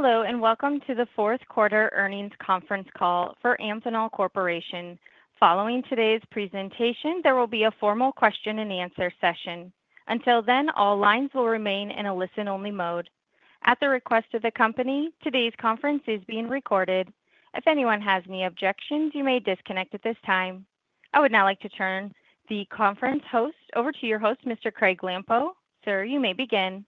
Hello, and welcome to the fourth quarter earnings conference call for Amphenol Corporation. Following today's presentation, there will be a formal question-and-answer session. Until then, all lines will remain in a listen-only mode. At the request of the company, today's conference is being recorded. If anyone has any objections, you may disconnect at this time. I would now like to turn the conference host over to your host, Mr. Craig Lampo. Sir, you may begin.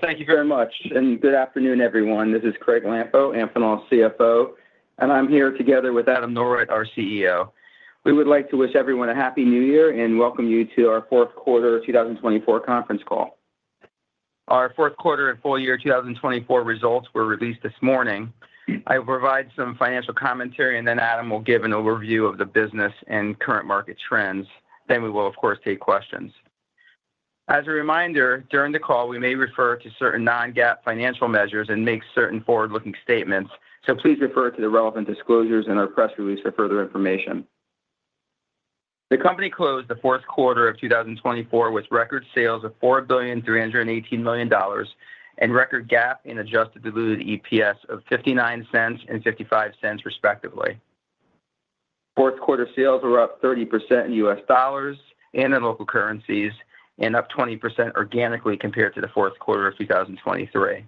Thank you very much, and good afternoon, everyone. This is Craig Lampo, Amphenol's CFO, and I'm here together with Adam Norwitt, our CEO. We would like to wish everyone a Happy New Year and welcome you to our fourth quarter 2024 conference call. Our fourth quarter and full year 2024 results were released this morning. I will provide some financial commentary, and then Adam will give an overview of the business and current market trends. Then we will, of course, take questions. As a reminder, during the call, we may refer to certain non-GAAP financial measures and make certain forward-looking statements, so please refer to the relevant disclosures in our press release for further information. The company closed the fourth quarter of 2024 with record sales of $4,318 million and record GAAP and adjusted diluted EPS of $0.59 and $0.55, respectively. Fourth quarter sales were up 30% in U.S. dollars and in local currencies and up 20% organically compared to the fourth quarter of 2023.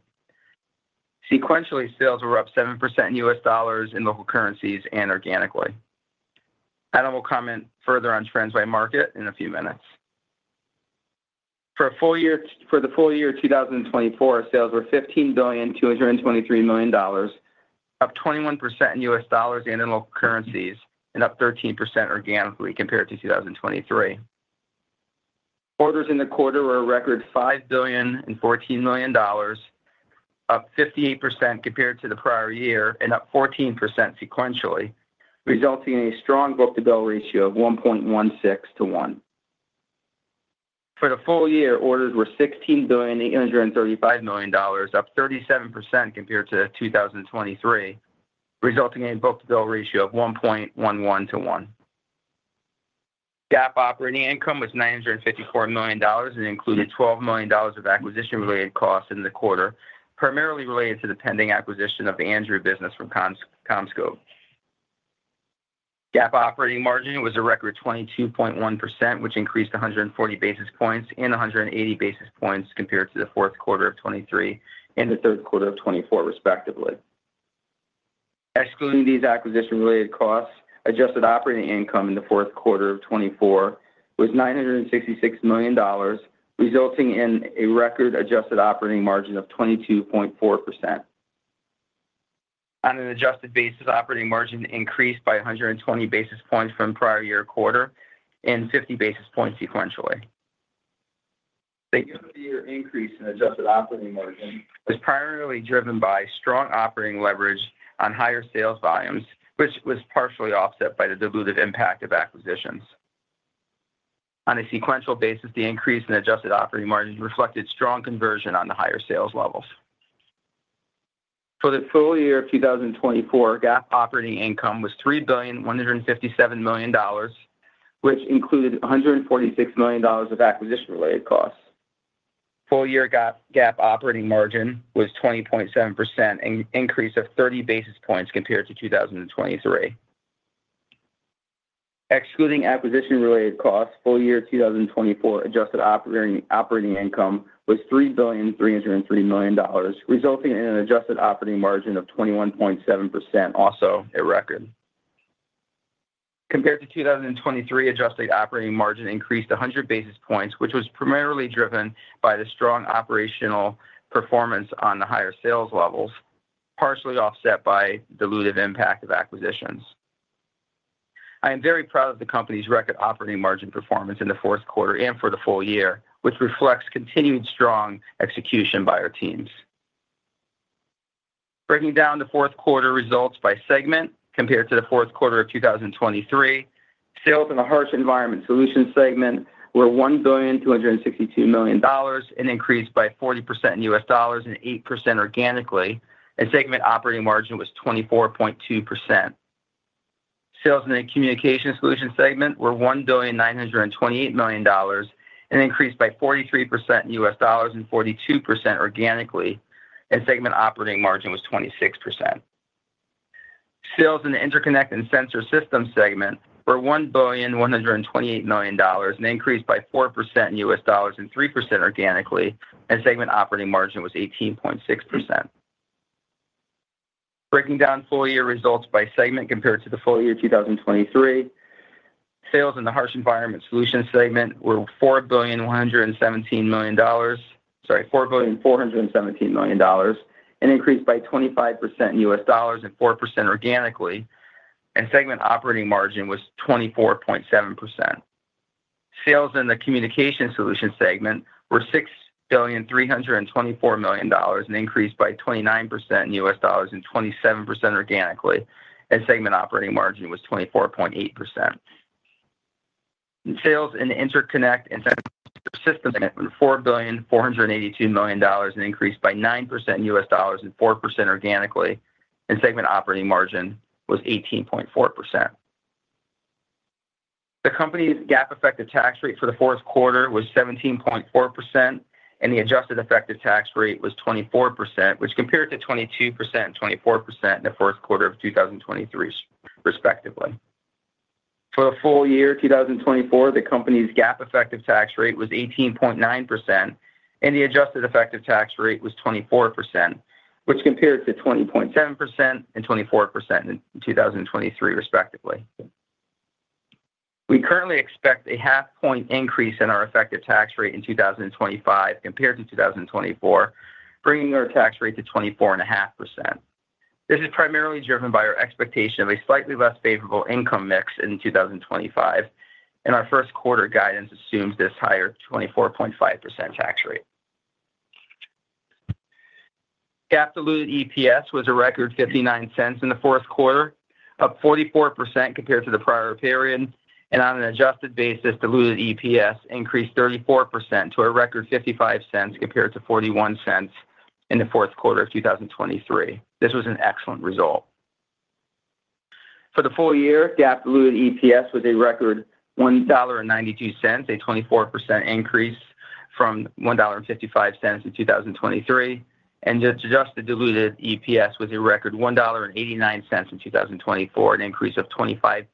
Sequentially, sales were up 7% in U.S. dollars in local currencies and organically. Adam will comment further on trends by market in a few minutes. For the full year 2024, sales were $15,223 million, up 21% in U.S. dollars and in local currencies, and up 13% organically compared to 2023. Orders in the quarter were a record $5,014 million, up 58% compared to the prior year, and up 14% sequentially, resulting in a strong book-to-bill ratio of 1.16 to 1. For the full year, orders were $16,835 million, up 37% compared to 2023, resulting in a book-to-bill ratio of 1.11 to 1. GAAP operating income was $954 million and included $12 million of acquisition-related costs in the quarter, primarily related to the pending acquisition of the Andrew business from CommScope. GAAP operating margin was a record 22.1%, which increased 140 basis points and 180 basis points compared to the fourth quarter of 2023 and the third quarter of 2024, respectively. Excluding these acquisition-related costs, adjusted operating income in the fourth quarter of 2024 was $966 million, resulting in a record adjusted operating margin of 22.4%. On an adjusted basis, operating margin increased by 120 basis points from prior year quarter and 50 basis points sequentially. The year-to-year increase in adjusted operating margin was primarily driven by strong operating leverage on higher sales volumes, which was partially offset by the dilutive impact of acquisitions. On a sequential basis, the increase in adjusted operating margin reflected strong conversion on the higher sales levels. For the full year of 2024, GAAP operating income was $3,157 million, which included $146 million of acquisition-related costs. Full year GAAP operating margin was 20.7%, an increase of 30 basis points compared to 2023. Excluding acquisition-related costs, full year 2024 adjusted operating income was $3,303 million, resulting in an adjusted operating margin of 21.7%, also a record. Compared to 2023, adjusted operating margin increased 100 basis points, which was primarily driven by the strong operational performance on the higher sales levels, partially offset by the dilutive impact of acquisitions. I am very proud of the company's record operating margin performance in the fourth quarter and for the full year, which reflects continued strong execution by our teams. Breaking down the fourth quarter results by segment compared to the fourth quarter of 2023, sales in the Harsh Environment Solutions segment were $1,262 million and increased by 40% in US dollars and 8% organically, and segment operating margin was 24.2%. Sales in the Communications Solutions segment were $1,928 million and increased by 43% in US dollars and 42% organically, and segment operating margin was 26%. Sales in the Interconnect and Sensor Systems segment were $1,128 million and increased by 4% in US dollars and 3% organically, and segment operating margin was 18.6%. Breaking down full year results by segment compared to the full year 2023, sales in the Harsh Environment Solutions segment were $4,417 million, an increase by 25% in US dollars and 4% organically, and segment operating margin was 24.7%. Sales in the Communications Solutions segment were $6,324 million and increased by 29% in US dollars and 27% organically, and segment operating margin was 24.8%. Sales in the Interconnect and Sensor Systems segment were $4,482 million and increased by 9% in US dollars and 4% organically, and segment operating margin was 18.4%. The company's GAAP effective tax rate for the fourth quarter was 17.4%, and the adjusted effective tax rate was 24%, which compared to 22% and 24% in the fourth quarter of 2023, respectively. For the full year 2024, the company's GAAP effective tax rate was 18.9%, and the adjusted effective tax rate was 24%, which compared to 20.7% and 24% in 2023, respectively. We currently expect a half-point increase in our effective tax rate in 2025 compared to 2024, bringing our tax rate to 24.5%. This is primarily driven by our expectation of a slightly less favorable income mix in 2025, and our first quarter guidance assumes this higher 24.5% tax rate. GAAP diluted EPS was a record $0.59 in the fourth quarter, up 44% compared to the prior period, and on an adjusted basis, diluted EPS increased 34% to a record $0.55 compared to $0.41 in the fourth quarter of 2023. This was an excellent result. For the full year, GAAP diluted EPS was a record $1.92, a 24% increase from $1.55 in 2023, and adjusted diluted EPS was a record $1.89 in 2024, an increase of 25%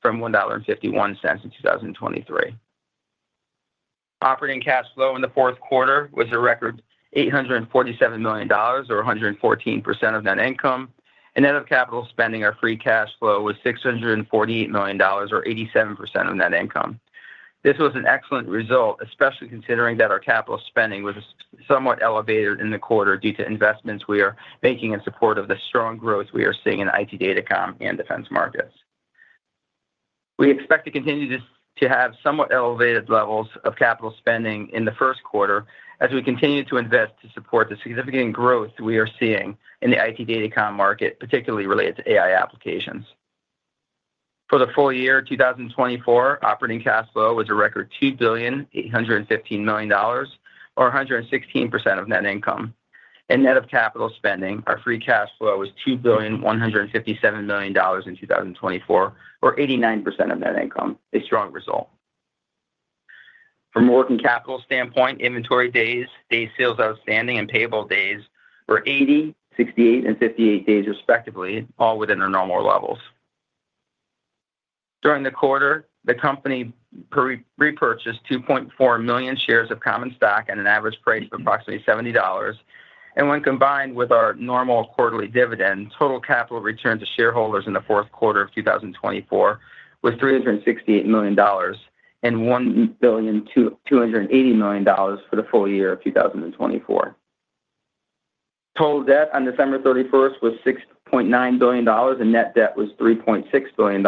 from $1.51 in 2023. Operating cash flow in the fourth quarter was a record $847 million, or 114% of net income, and net of capital spending, our free cash flow was $648 million, or 87% of net income. This was an excellent result, especially considering that our capital spending was somewhat elevated in the quarter due to investments we are making in support of the strong growth we are seeing in IT, data comms, and defense markets. We expect to continue to have somewhat elevated levels of capital spending in the first quarter as we continue to invest to support the significant growth we are seeing in the IT, data comms market, particularly related to AI applications. For the full year 2024, operating cash flow was a record $2,815 million, or 116% of net income, and net of capital spending, our free cash flow was $2,157 million in 2024, or 89% of net income, a strong result. From a working capital standpoint, inventory days, day sales outstanding, and payable days were 80, 68, and 58 days, respectively, all within our normal levels. During the quarter, the company repurchased 2.4 million shares of common stock at an average price of approximately $70, and when combined with our normal quarterly dividend, total capital return to shareholders in the fourth quarter of 2024 was $368 million and $1,280 million for the full year of 2024. Total debt on December 31st was $6.9 billion, and net debt was $3.6 billion,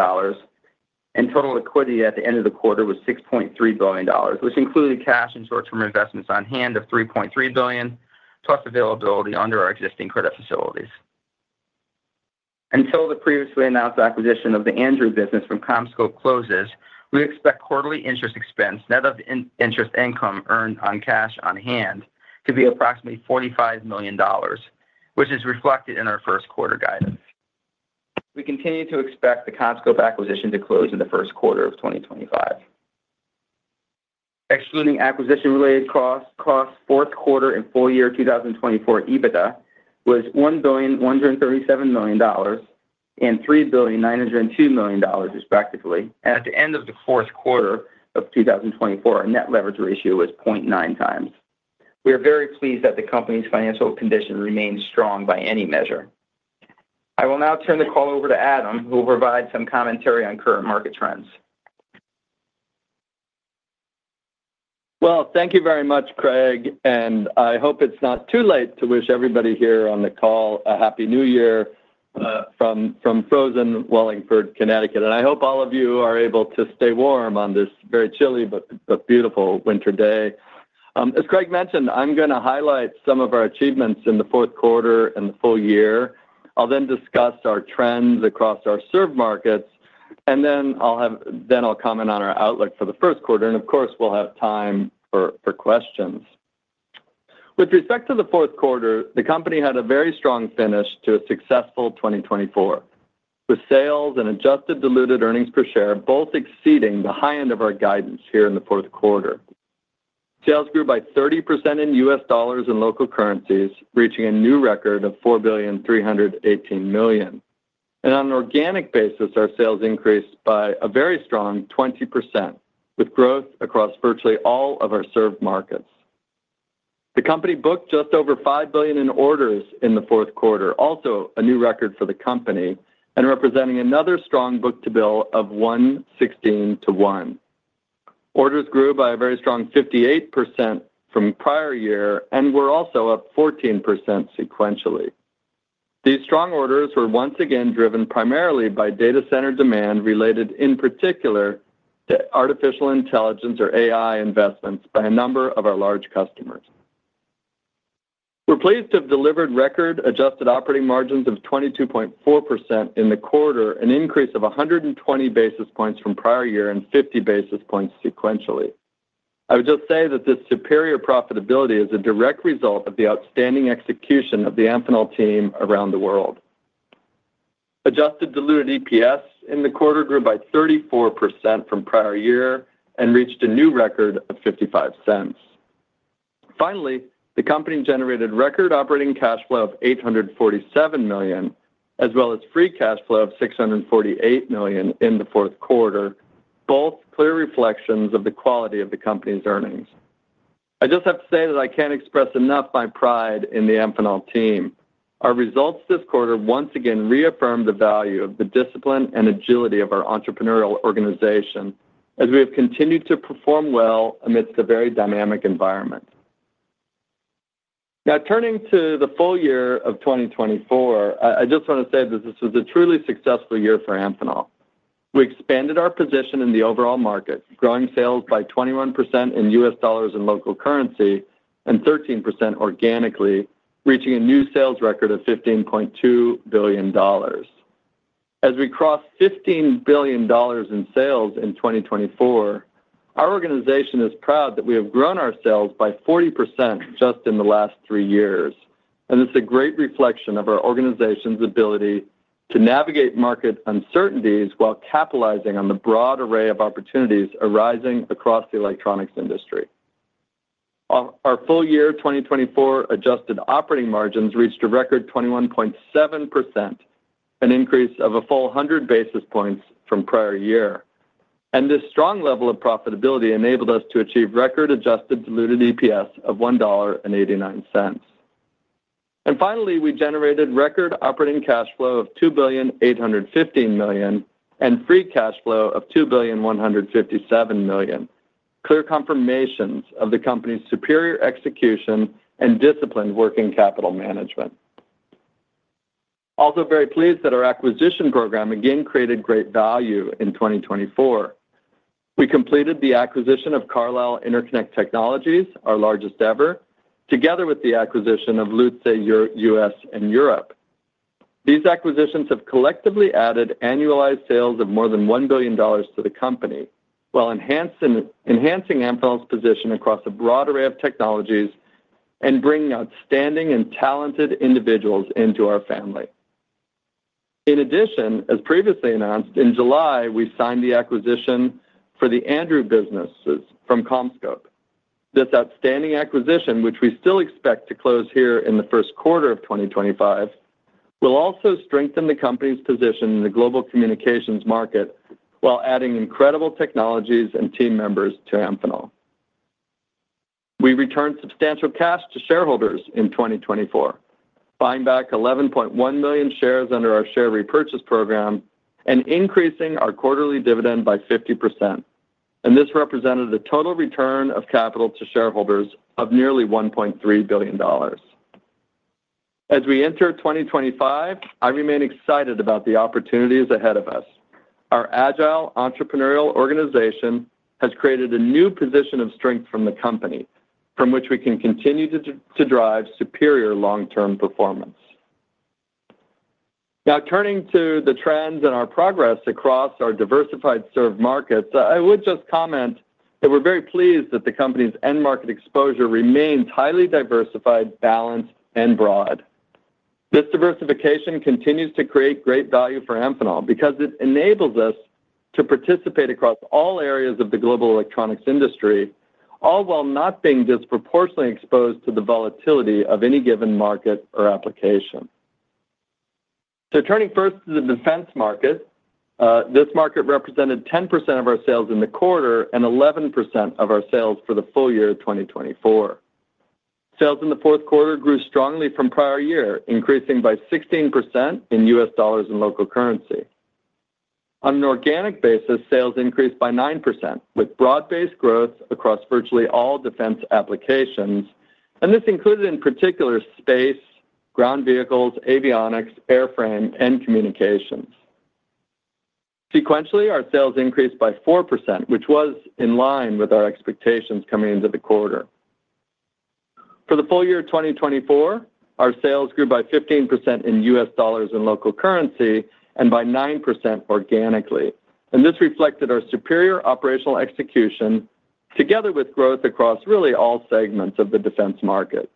and total liquidity at the end of the quarter was $6.3 billion, which included cash and short-term investments on hand of $3.3 billion, plus availability under our existing credit facilities. Until the previously announced acquisition of the Andrew business from CommScope closes, we expect quarterly interest expense, net of interest income earned on cash on hand, to be approximately $45 million, which is reflected in our first quarter guidance. We continue to expect the CommScope acquisition to close in the first quarter of 2025. Excluding acquisition-related costs, fourth quarter and full year 2024 EBITDA was $1,137 million and $3,902 million, respectively, and at the end of the fourth quarter of 2024, our net leverage ratio was 0.9 times. We are very pleased that the company's financial condition remains strong by any measure. I will now turn the call over to Adam, who will provide some commentary on current market trends. Thank you very much, Craig, and I hope it's not too late to wish everybody here on the call a Happy New Year from frozen Wallingford, Connecticut, and I hope all of you are able to stay warm on this very chilly but beautiful winter day. As Craig mentioned, I'm going to highlight some of our achievements in the fourth quarter and the full year. I'll then discuss our trends across our served markets, and then I'll comment on our outlook for the first quarter, and of course, we'll have time for questions. With respect to the fourth quarter, the company had a very strong finish to a successful 2024, with sales and adjusted diluted earnings per share both exceeding the high end of our guidance here in the fourth quarter. Sales grew by 30% in US dollars and local currencies, reaching a new record of $4,318 million. On an organic basis, our sales increased by a very strong 20%, with growth across virtually all of our served markets. The company booked just over $5 billion in orders in the fourth quarter, also a new record for the company and representing another strong book-to-bill of 1, 16 to 1. Orders grew by a very strong 58% from prior year and were also up 14% sequentially. These strong orders were once again driven primarily by data center demand related, in particular, to artificial intelligence or AI investments by a number of our large customers. We're pleased to have delivered record adjusted operating margins of 22.4% in the quarter, an increase of 120 basis points from prior year and 50 basis points sequentially. I would just say that this superior profitability is a direct result of the outstanding execution of the Amphenol team around the world. Adjusted diluted EPS in the quarter grew by 34% from prior year and reached a new record of $0.55. Finally, the company generated record operating cash flow of $847 million, as well as free cash flow of $648 million in the fourth quarter, both clear reflections of the quality of the company's earnings. I just have to say that I can't express enough my pride in the Amphenol team. Our results this quarter once again reaffirmed the value of the discipline and agility of our entrepreneurial organization as we have continued to perform well amidst a very dynamic environment. Now, turning to the full year of 2024, I just want to say that this was a truly successful year for Amphenol. We expanded our position in the overall market, growing sales by 21% in US dollars and local currency and 13% organically, reaching a new sales record of $15.2 billion. As we cross $15 billion in sales in 2024, our organization is proud that we have grown our sales by 40% just in the last three years, and it's a great reflection of our organization's ability to navigate market uncertainties while capitalizing on the broad array of opportunities arising across the electronics industry. Our full year 2024 adjusted operating margins reached a record 21.7%, an increase of a full 100 basis points from prior year, and this strong level of profitability enabled us to achieve record adjusted diluted EPS of $1.89. And finally, we generated record operating cash flow of $2,815 million and free cash flow of $2,157 million, clear confirmations of the company's superior execution and disciplined working capital management. Also very pleased that our acquisition program again created great value in 2024. We completed the acquisition of Carlyle Interconnect Technologies, our largest ever, together with the acquisition of Lutze US and Europe. These acquisitions have collectively added annualized sales of more than $1 billion to the company, while enhancing Amphenol's position across a broad array of technologies and bringing outstanding and talented individuals into our family. In addition, as previously announced, in July, we signed the acquisition for the Andrew businesses from CommScope. This outstanding acquisition, which we still expect to close here in the first quarter of 2025, will also strengthen the company's position in the global communications market while adding incredible technologies and team members to Amphenol. We returned substantial cash to shareholders in 2024, buying back 11.1 million shares under our share repurchase program and increasing our quarterly dividend by 50%, and this represented a total return of capital to shareholders of nearly $1.3 billion. As we enter 2025, I remain excited about the opportunities ahead of us. Our agile entrepreneurial organization has created a new position of strength for the company, from which we can continue to drive superior long-term performance. Now, turning to the trends and our progress across our diversified served markets, I would just comment that we're very pleased that the company's end market exposure remains highly diversified, balanced, and broad. This diversification continues to create great value for Amphenol because it enables us to participate across all areas of the global electronics industry, all while not being disproportionately exposed to the volatility of any given market or application. So turning first to the defense market, this market represented 10% of our sales in the quarter and 11% of our sales for the full year of 2024. Sales in the fourth quarter grew strongly from prior year, increasing by 16% in U.S. dollars and local currency. On an organic basis, sales increased by 9% with broad-based growth across virtually all defense applications, and this included in particular space, ground vehicles, avionics, airframe, and communications. Sequentially, our sales increased by 4%, which was in line with our expectations coming into the quarter. For the full year 2024, our sales grew by 15% in U.S. dollars and local currency and by 9% organically, and this reflected our superior operational execution together with growth across really all segments of the defense market.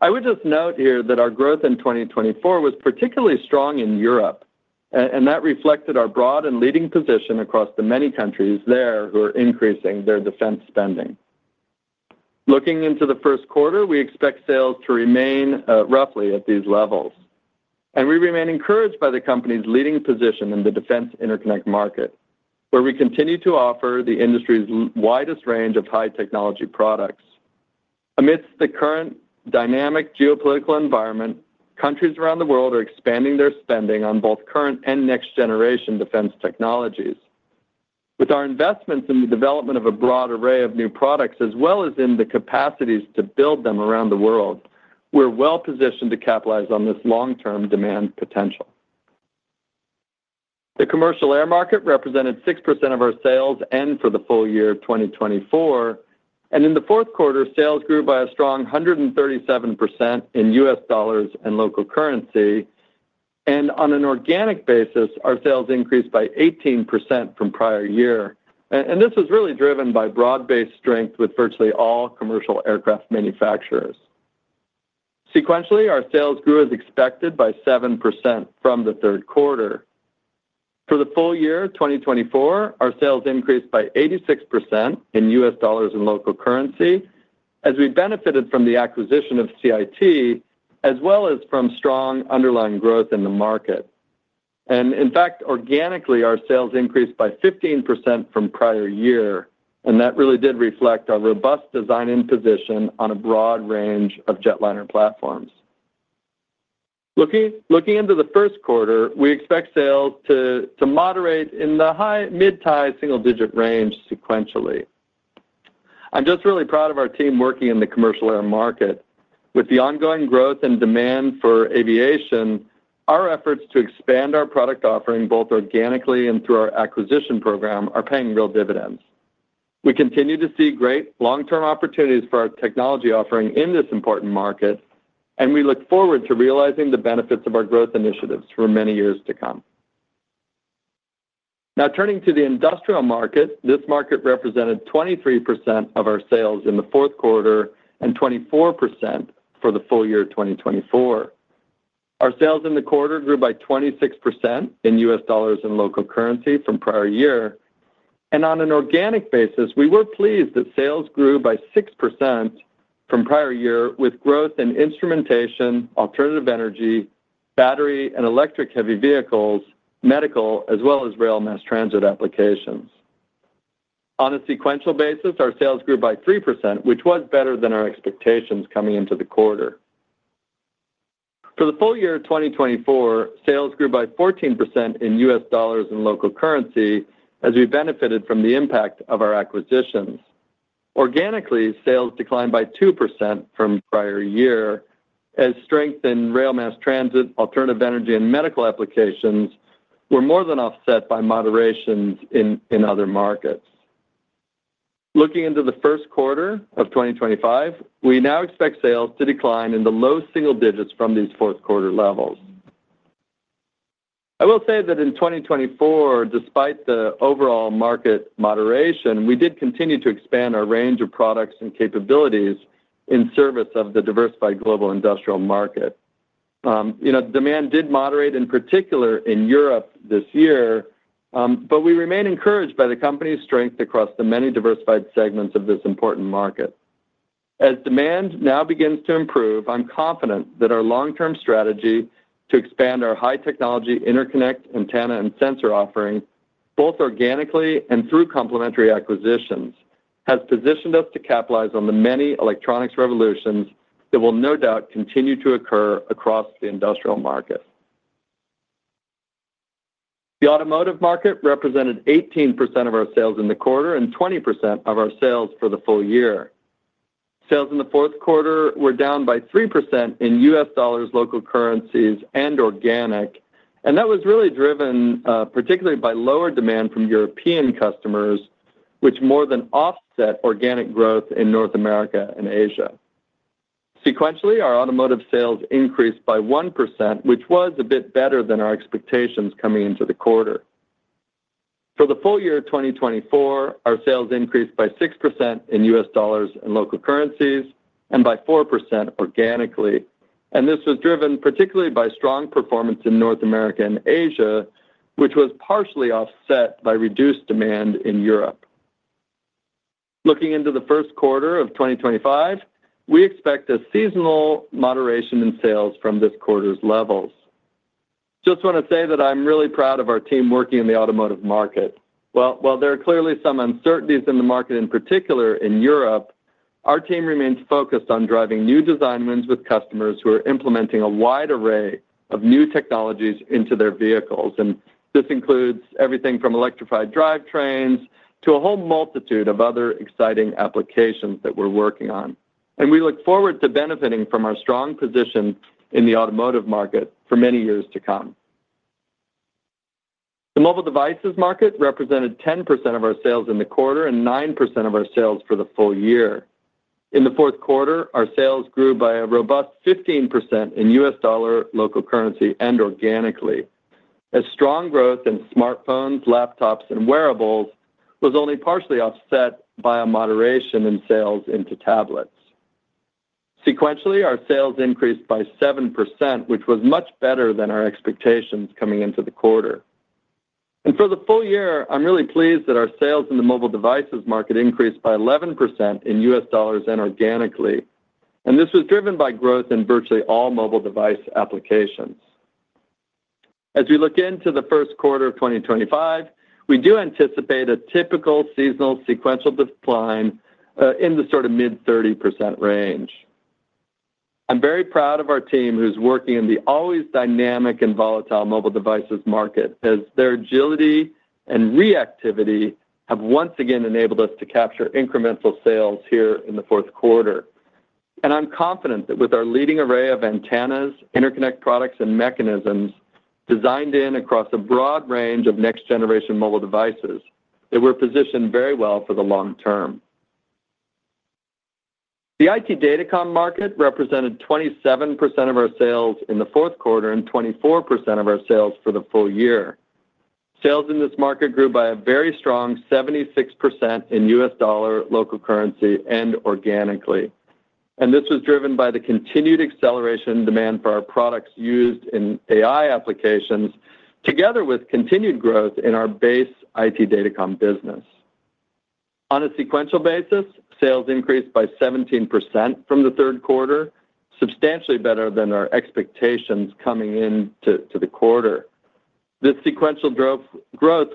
I would just note here that our growth in 2024 was particularly strong in Europe, and that reflected our broad and leading position across the many countries there who are increasing their defense spending. Looking into the first quarter, we expect sales to remain roughly at these levels, and we remain encouraged by the company's leading position in the defense interconnect market, where we continue to offer the industry's widest range of high-technology products. Amidst the current dynamic geopolitical environment, countries around the world are expanding their spending on both current and next-generation defense technologies. With our investments in the development of a broad array of new products, as well as in the capacities to build them around the world, we're well positioned to capitalize on this long-term demand potential. The commercial air market represented 6% of our sales, and for the full year 2024, in the fourth quarter, sales grew by a strong 137% in US dollars and local currency, and on an organic basis, our sales increased by 18% from prior year, and this was really driven by broad-based strength with virtually all commercial aircraft manufacturers. Sequentially, our sales grew as expected by 7% from the third quarter. For the full year 2024, our sales increased by 86% in US dollars and local currency as we benefited from the acquisition of CIT, as well as from strong underlying growth in the market. In fact, organically, our sales increased by 15% from prior year, and that really did reflect our robust design and position on a broad range of jetliner platforms. Looking into the first quarter, we expect sales to moderate in the high- to mid-single-digit range sequentially. I'm just really proud of our team working in the commercial air market. With the ongoing growth and demand for aviation, our efforts to expand our product offering both organically and through our acquisition program are paying real dividends. We continue to see great long-term opportunities for our technology offering in this important market, and we look forward to realizing the benefits of our growth initiatives for many years to come. Now, turning to the industrial market, this market represented 23% of our sales in the fourth quarter and 24% for the full year 2024. Our sales in the quarter grew by 26% in U.S. dollars and local currency from prior year, and on an organic basis, we were pleased that sales grew by 6% from prior year with growth in instrumentation, alternative energy, battery, and electric heavy vehicles, medical, as well as rail mass transit applications. On a sequential basis, our sales grew by 3%, which was better than our expectations coming into the quarter. For the full year 2024, sales grew by 14% in U.S. dollars and local currency as we benefited from the impact of our acquisitions. Organically, sales declined by 2% from prior year as strength in rail mass transit, alternative energy, and medical applications were more than offset by moderations in other markets. Looking into the first quarter of 2025, we now expect sales to decline in the low single digits from these fourth quarter levels. I will say that in 2024, despite the overall market moderation, we did continue to expand our range of products and capabilities in service of the diversified global industrial market. Demand did moderate, in particular in Europe this year, but we remain encouraged by the company's strength across the many diversified segments of this important market. As demand now begins to improve, I'm confident that our long-term strategy to expand our high-technology interconnect, antenna, and sensor offering, both organically and through complementary acquisitions, has positioned us to capitalize on the many electronics revolutions that will no doubt continue to occur across the industrial market. The automotive market represented 18% of our sales in the quarter and 20% of our sales for the full year. Sales in the fourth quarter were down by 3% in US dollars, local currencies, and organic, and that was really driven particularly by lower demand from European customers, which more than offset organic growth in North America and Asia. Sequentially, our automotive sales increased by 1%, which was a bit better than our expectations coming into the quarter. For the full year 2024, our sales increased by 6% in US dollars and local currencies and by 4% organically, and this was driven particularly by strong performance in North America and Asia, which was partially offset by reduced demand in Europe. Looking into the first quarter of 2025, we expect a seasonal moderation in sales from this quarter's levels. Just want to say that I'm really proud of our team working in the automotive market. While there are clearly some uncertainties in the market, in particular in Europe, our team remains focused on driving new design wins with customers who are implementing a wide array of new technologies into their vehicles, and this includes everything from electrified drivetrains to a whole multitude of other exciting applications that we're working on. And we look forward to benefiting from our strong position in the automotive market for many years to come. The mobile devices market represented 10% of our sales in the quarter and 9% of our sales for the full year. In the fourth quarter, our sales grew by a robust 15% in U.S. dollar, local currency, and organically, as strong growth in smartphones, laptops, and wearables was only partially offset by a moderation in sales into tablets. Sequentially, our sales increased by 7%, which was much better than our expectations coming into the quarter. And for the full year, I'm really pleased that our sales in the mobile devices market increased by 11% in US dollars and organically, and this was driven by growth in virtually all mobile device applications. As we look into the first quarter of 2025, we do anticipate a typical seasonal sequential decline in the sort of mid-30% range. I'm very proud of our team who's working in the always dynamic and volatile mobile devices market, as their agility and reactivity have once again enabled us to capture incremental sales here in the fourth quarter. And I'm confident that with our leading array of antennas, interconnect products, and mechanisms designed in across a broad range of next-generation mobile devices, that we're positioned very well for the long term. The IT Data Comm market represented 27% of our sales in the fourth quarter and 24% of our sales for the full year. Sales in this market grew by a very strong 76% in U.S. dollars, local currency, and organically, and this was driven by the continued acceleration in demand for our products used in AI applications, together with continued growth in our base IT Data Comm business. On a sequential basis, sales increased by 17% from the third quarter, substantially better than our expectations coming into the quarter. This sequential growth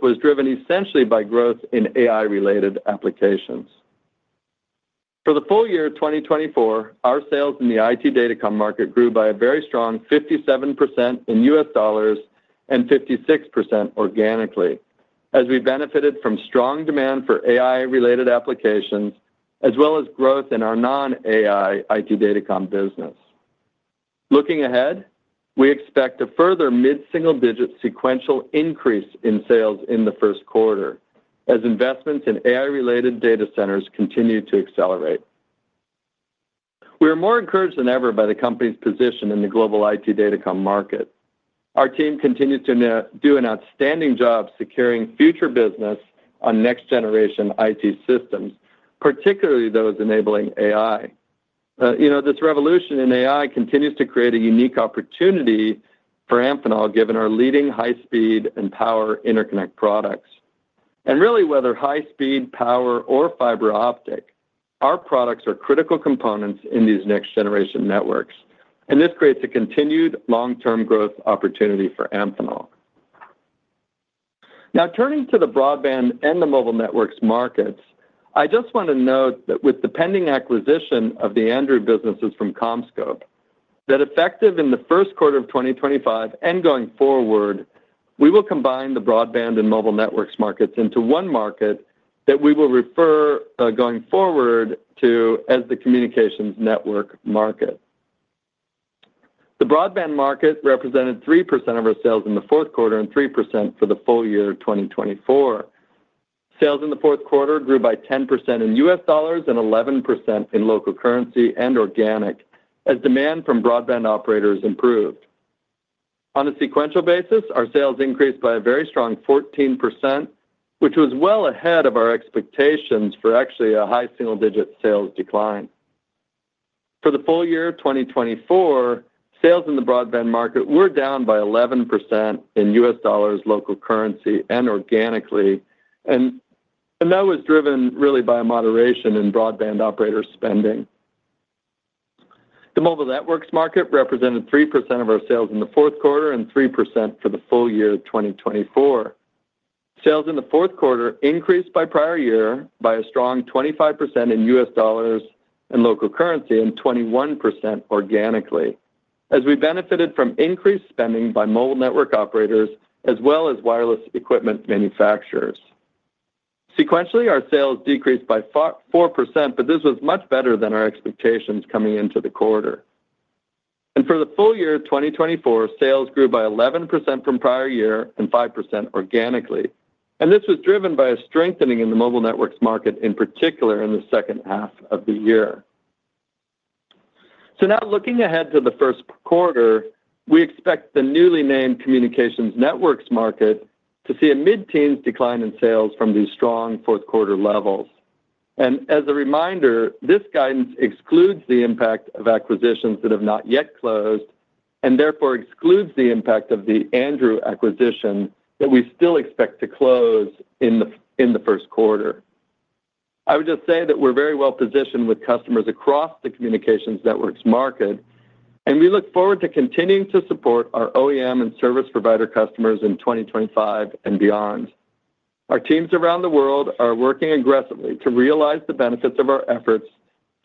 was driven essentially by growth in AI-related applications. For the full year 2024, our sales in the IT Data Comm market grew by a very strong 57% in U.S. dollars and 56% organically, as we benefited from strong demand for AI-related applications, as well as growth in our non-AI IT Data Comm business. Looking ahead, we expect a further mid-single-digit sequential increase in sales in the first quarter, as investments in AI-related data centers continue to accelerate. We are more encouraged than ever by the company's position in the global IT Data Comm market. Our team continues to do an outstanding job securing future business on next-generation IT systems, particularly those enabling AI. This revolution in AI continues to create a unique opportunity for Amphenol, given our leading high-speed and power interconnect products. And really, whether high-speed, power, or fiber optic, our products are critical components in these next-generation networks, and this creates a continued long-term growth opportunity for Amphenol. Now, turning to the broadband and the mobile networks markets, I just want to note that with the pending acquisition of the Andrew businesses from CommScope, that effective in the first quarter of 2025 and going forward, we will combine the broadband and mobile networks markets into one market that we will refer going forward to as the communications network market. The broadband market represented 3% of our sales in the fourth quarter and 3% for the full year 2024. Sales in the fourth quarter grew by 10% in US dollars and 11% in local currency and organic, as demand from broadband operators improved. On a sequential basis, our sales increased by a very strong 14%, which was well ahead of our expectations for actually a high single-digit sales decline. For the full year 2024, sales in the broadband market were down by 11% in US dollars, local currency, and organically, and that was driven really by a moderation in broadband operator spending. The mobile networks market represented 3% of our sales in the fourth quarter and 3% for the full year 2024. Sales in the fourth quarter increased by prior year by a strong 25% in US dollars and local currency and 21% organically, as we benefited from increased spending by mobile network operators as well as wireless equipment manufacturers. Sequentially, our sales decreased by 4%, but this was much better than our expectations coming into the quarter, and for the full year 2024, sales grew by 11% from prior year and 5% organically, and this was driven by a strengthening in the mobile networks market, in particular in the second half of the year. So now, looking ahead to the first quarter, we expect the newly named communications networks market to see a mid-teens decline in sales from these strong fourth quarter levels. And as a reminder, this guidance excludes the impact of acquisitions that have not yet closed and therefore excludes the impact of the Andrew acquisition that we still expect to close in the first quarter. I would just say that we're very well positioned with customers across the communications networks market, and we look forward to continuing to support our OEM and service provider customers in 2025 and beyond. Our teams around the world are working aggressively to realize the benefits of our efforts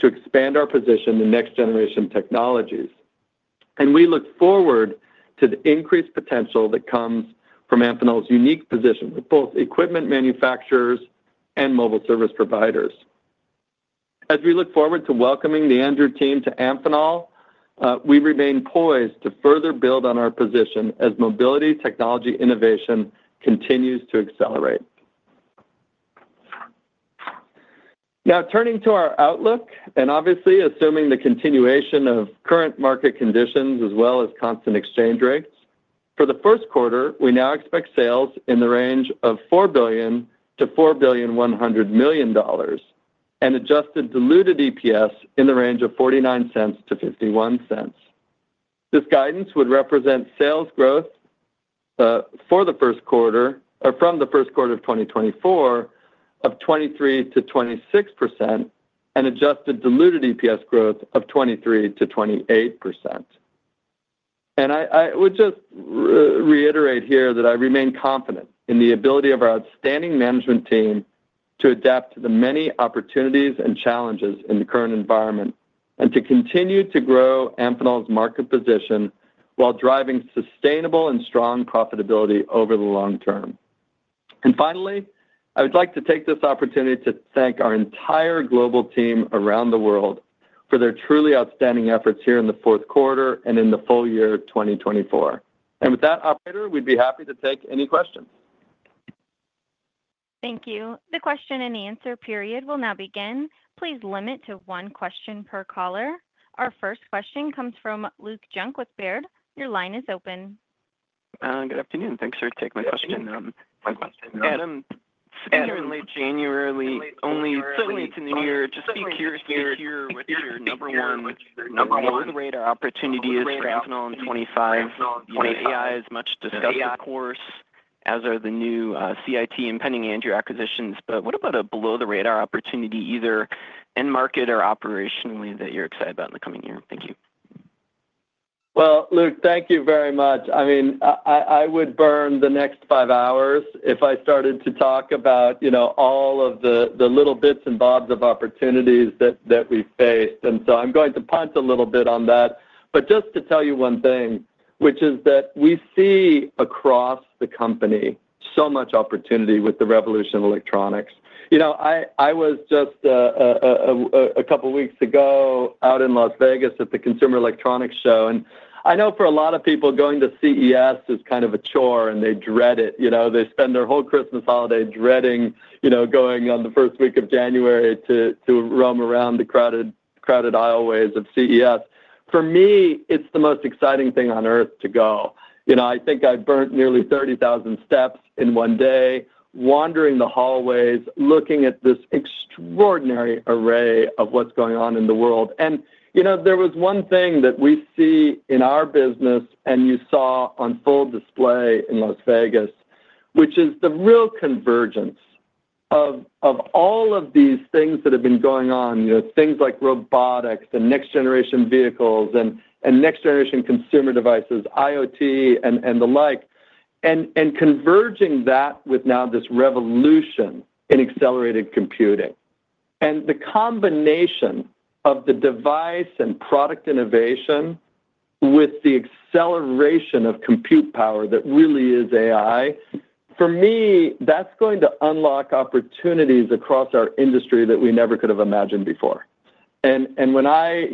to expand our position in next-generation technologies, and we look forward to the increased potential that comes from Amphenol's unique position with both equipment manufacturers and mobile service providers. As we look forward to welcoming the Andrew team to Amphenol, we remain poised to further build on our position as mobility technology innovation continues to accelerate. Now, turning to our outlook, and obviously assuming the continuation of current market conditions as well as constant exchange rates, for the first quarter, we now expect sales in the range of $4 billion-$4.1 billion and adjusted diluted EPS in the range of $0.49-$0.51. This guidance would represent sales growth for the first quarter or from the first quarter of 2024 of 23%-26% and adjusted diluted EPS growth of 23%-28%. I would just reiterate here that I remain confident in the ability of our outstanding management team to adapt to the many opportunities and challenges in the current environment and to continue to grow Amphenol's market position while driving sustainable and strong profitability over the long term. Finally, I would like to take this opportunity to thank our entire global team around the world for their truly outstanding efforts here in the fourth quarter and in the full year 2024. With that, Operator, we'd be happy to take any questions. Thank you. The question and answer period will now begin. Please limit to one question per caller. Our first question comes from Luke Junk with Baird. Your line is open. Good afternoon. Thanks for taking my question. Adam, it's certainly January, only certainly it's a new year. I'm just curious what your number one below-the-radar opportunity is for Amphenol in 25. AI is much discussed, of course, as are the new CIT and pending Andrew acquisitions, but what about a below-the-radar opportunity either in market or operationally that you're excited about in the coming year? Thank you. Well, Luke, thank you very much. I mean, I would burn the next five hours if I started to talk about all of the little bits and bobs of opportunities that we've faced, and so I'm going to punt a little bit on that. But just to tell you one thing, which is that we see across the company so much opportunity with the revolution of electronics. I was just a couple of weeks ago out in Las Vegas at the Consumer Electronics Show, and I know for a lot of people, going to CES is kind of a chore, and they dread it. They spend their whole Christmas holiday dreading going on the first week of January to roam around the crowded aisleways of CES. For me, it's the most exciting thing on earth to go. I think I burnt nearly 30,000 steps in one day, wandering the hallways, looking at this extraordinary array of what's going on in the world. And there was one thing that we see in our business, and you saw on full display in Las Vegas, which is the real convergence of all of these things that have been going on, things like robotics and next-generation vehicles and next-generation consumer devices, IoT and the like, and converging that with now this revolution in accelerated computing. And the combination of the device and product innovation with the acceleration of compute power that really is AI, for me, that's going to unlock opportunities across our industry that we never could have imagined before. And when I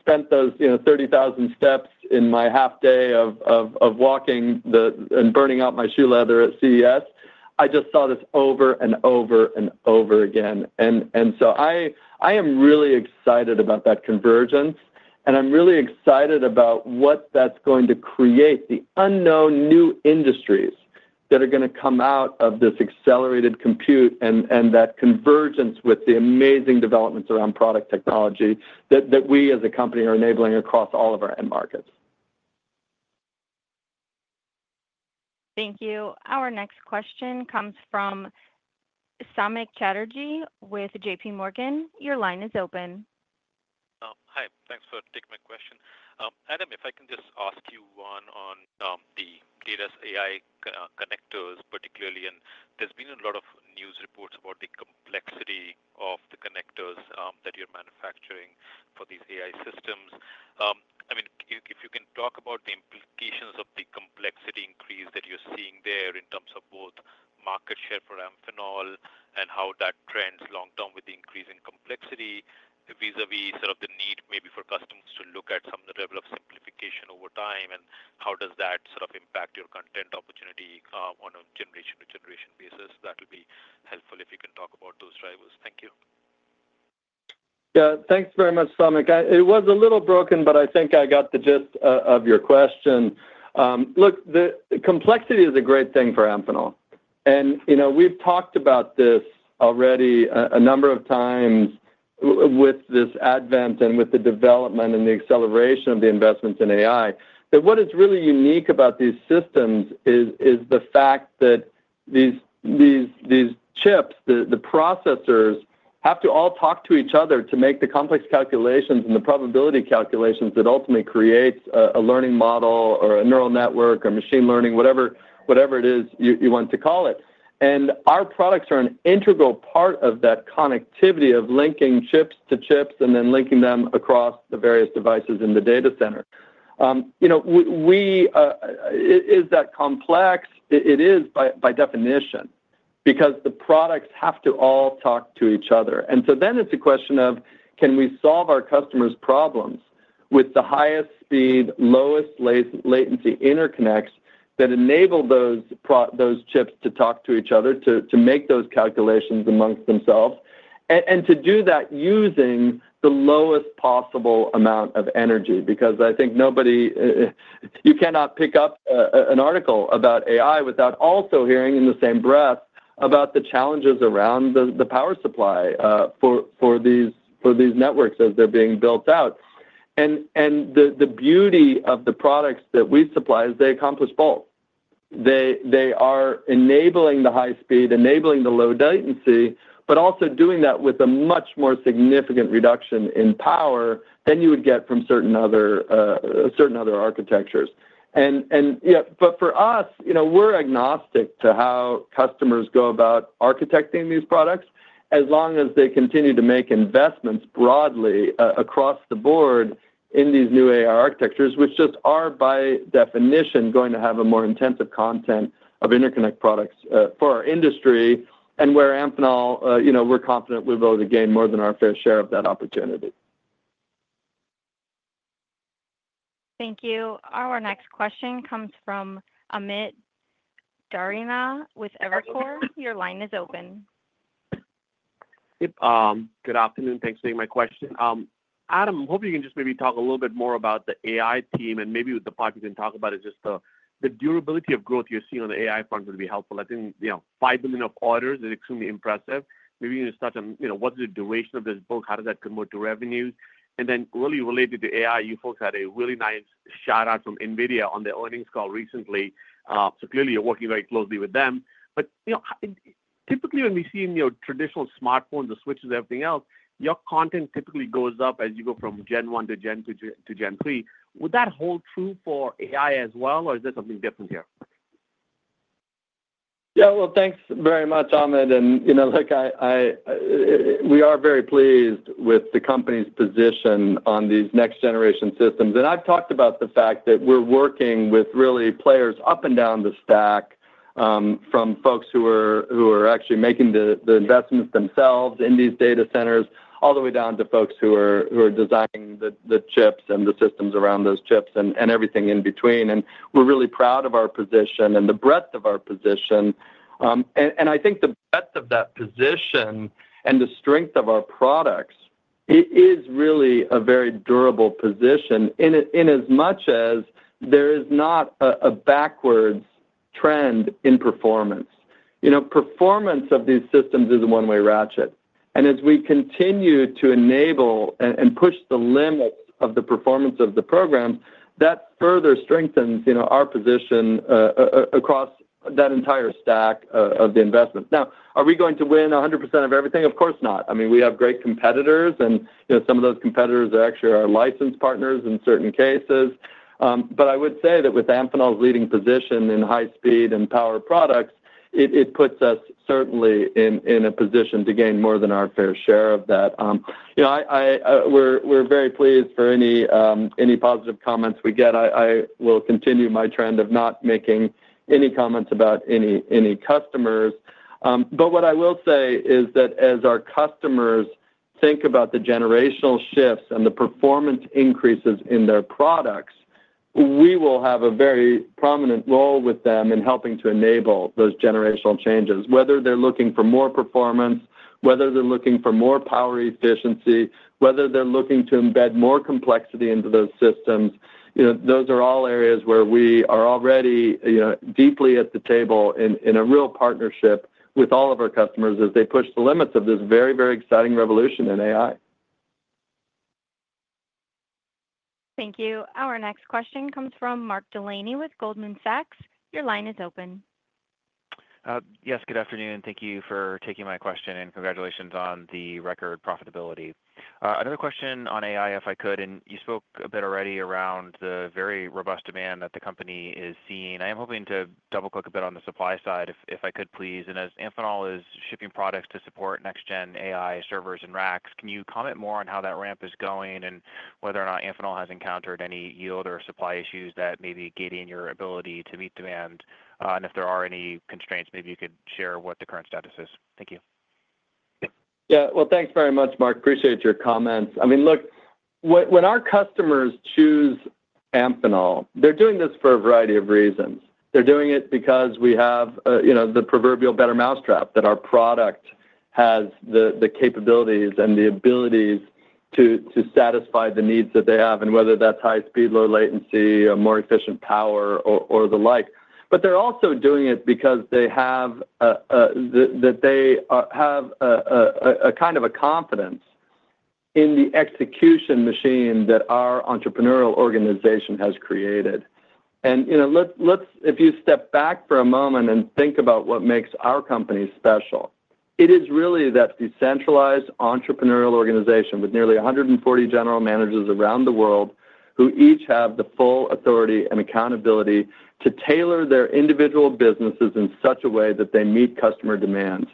spent those 30,000 steps in my half day of walking and burning out my shoe leather at CES, I just saw this over and over and over again. I am really excited about that convergence, and I'm really excited about what that's going to create: the unknown new industries that are going to come out of this accelerated compute and that convergence with the amazing developments around product technology that we as a company are enabling across all of our end markets. Thank you. Our next question comes from Samik Chatterjee with JPMorgan. Your line is open. Hi. Thanks for taking my question. Adam, if I can just ask you one on the data AI connectors, particularly, and there's been a lot of news reports about the complexity of the connectors that you're manufacturing for these AI systems. I mean, if you can talk about the implications of the complexity increase that you're seeing there in terms of both market share for Amphenol and how that trends long term with the increasing complexity vis-à-vis sort of the need maybe for customers to look at some level of simplification over time, and how does that sort of impact your content opportunity on a generation-to-generation basis? That would be helpful if you can talk about those drivers. Thank you. Yeah. Thanks very much, Samik. It was a little broken, but I think I got the gist of your question. Look, the complexity is a great thing for Amphenol, and we've talked about this already a number of times with this advent and with the development and the acceleration of the investments in AI. But what is really unique about these systems is the fact that these chips, the processors, have to all talk to each other to make the complex calculations and the probability calculations that ultimately create a learning model or a neural network or machine learning, whatever it is you want to call it. And our products are an integral part of that connectivity of linking chips to chips and then linking them across the various devices in the data center. Is that complex? It is by definition because the products have to all talk to each other. And so then it's a question of, can we solve our customers' problems with the highest speed, lowest latency interconnects that enable those chips to talk to each other, to make those calculations amongst themselves, and to do that using the lowest possible amount of energy? Because I think you cannot pick up an article about AI without also hearing in the same breath about the challenges around the power supply for these networks as they're being built out. And the beauty of the products that we supply is they accomplish both. They are enabling the high speed, enabling the low latency, but also doing that with a much more significant reduction in power than you would get from certain other architectures. And yet, but for us, we're agnostic to how customers go about architecting these products as long as they continue to make investments broadly across the board in these new AI architectures, which just are by definition going to have a more intensive content of interconnect products for our industry. And with Amphenol, we're confident we've already gained more than our fair share of that opportunity. Thank you. Our next question comes from Amit Daryanani with Evercore ISI. Your line is open. Good afternoon. Thanks for taking my question. Adam, I hope you can just maybe talk a little bit more about the AI theme, and maybe with the 5G you can talk about is just the durability of growth you're seeing on the AI front would be helpful. I think $5 million of orders is extremely impressive. Maybe you can start on what's the duration of this book, how does that convert to revenues? And then really related to AI, you folks had a really nice shout-out from NVIDIA on the earnings call recently. So clearly, you're working very closely with them. But typically, when we see in your traditional smartphones, the switches, everything else, your content typically goes up as you go from Gen 1 to Gen 2 to Gen 3. Would that hold true for AI as well, or is there something different here? Yeah. Well, thanks very much, Amit. And look, we are very pleased with the company's position on these next-generation systems. And I've talked about the fact that we're working with really players up and down the stack from folks who are actually making the investments themselves in these data centers all the way down to folks who are designing the chips and the systems around those chips and everything in between. And we're really proud of our position and the breadth of our position. And I think the breadth of that position and the strength of our products is really a very durable position in as much as there is not a backwards trend in performance. Performance of these systems is a one-way ratchet. And as we continue to enable and push the limits of the performance of the program, that further strengthens our position across that entire stack of the investments. Now, are we going to win 100% of everything? Of course not. I mean, we have great competitors, and some of those competitors are actually our licensed partners in certain cases. But I would say that with Amphenol's leading position in high speed and power products, it puts us certainly in a position to gain more than our fair share of that. We're very pleased for any positive comments we get. I will continue my trend of not making any comments about any customers. But what I will say is that as our customers think about the generational shifts and the performance increases in their products, we will have a very prominent role with them in helping to enable those generational changes, whether they're looking for more performance, whether they're looking for more power efficiency, whether they're looking to embed more complexity into those systems. Those are all areas where we are already deeply at the table in a real partnership with all of our customers as they push the limits of this very, very exciting revolution in AI. Thank you. Our next question comes from Mark Delaney with Goldman Sachs. Your line is open. Yes. Good afternoon. Thank you for taking my question and congratulations on the record profitability. Another question on AI, if I could. And you spoke a bit already around the very robust demand that the company is seeing. I am hoping to double-click a bit on the supply side, if I could please. As Amphenol is shipping products to support next-gen AI servers and racks, can you comment more on how that ramp is going and whether or not Amphenol has encountered any yield or supply issues that may be gating your ability to meet demand? And if there are any constraints, maybe you could share what the current status is. Thank you. Yeah, well, thanks very much, Mark. Appreciate your comments. I mean, look, when our customers choose Amphenol, they're doing this for a variety of reasons. They're doing it because we have the proverbial better mousetrap that our product has the capabilities and the abilities to satisfy the needs that they have, and whether that's high speed, low latency, more efficient power, or the like. But they're also doing it because they have a kind of a confidence in the execution machine that our entrepreneurial organization has created. And if you step back for a moment and think about what makes our company special, it is really that decentralized entrepreneurial organization with nearly 140 general managers around the world who each have the full authority and accountability to tailor their individual businesses in such a way that they meet customer demands.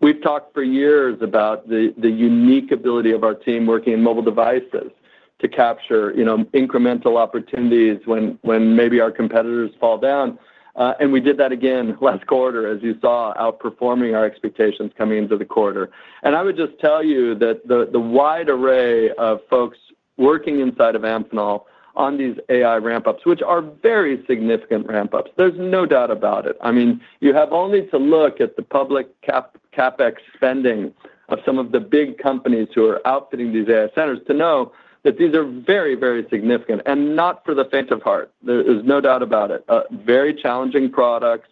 We've talked for years about the unique ability of our team working in mobile devices to capture incremental opportunities when maybe our competitors fall down. And we did that again last quarter, as you saw, outperforming our expectations coming into the quarter. I would just tell you that the wide array of folks working inside of Amphenol on these AI ramp-ups, which are very significant ramp-ups, there's no doubt about it. I mean, you have only to look at the public CapEx spending of some of the big companies who are outfitting these AI centers to know that these are very, very significant. And not for the faint of heart. There is no doubt about it. Very challenging products,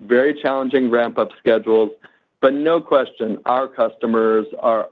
very challenging ramp-up schedules. But no question, our customers are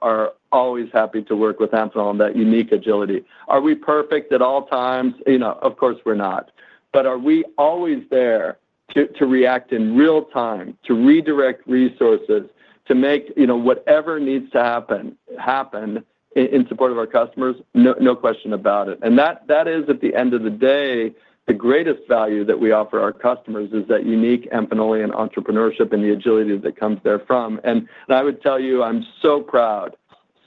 always happy to work with Amphenol in that unique agility. Are we perfect at all times? Of course, we're not. But are we always there to react in real time, to redirect resources, to make whatever needs to happen in support of our customers? No question about it. That is, at the end of the day, the greatest value that we offer our customers is that unique Amphenolian entrepreneurship and the agility that comes therefrom. And I would tell you, I'm so proud,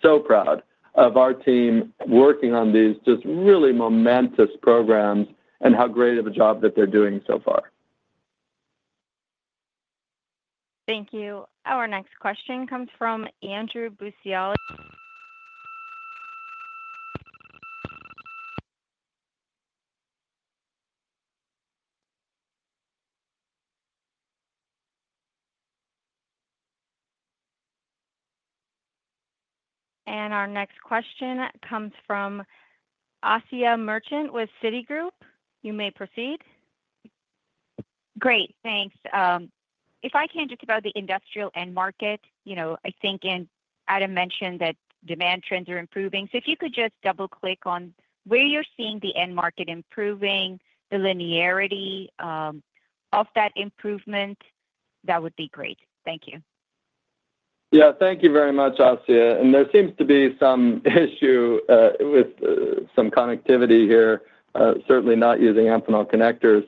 so proud of our team working on these just really momentous programs and how great of a job that they're doing so far. Thank you. Our next question comes from Andrew Buscaglia. And our next question comes from Asiya Merchant with Citigroup. You may proceed. Great. Thanks. If I can just about the industrial end market, I think Adam mentioned that demand trends are improving. So if you could just double-click on where you're seeing the end market improving, the linearity of that improvement, that would be great. Thank you. Yeah. Thank you very much, Asiya. And there seems to be some issue with some connectivity here, certainly not using Amphenol connectors.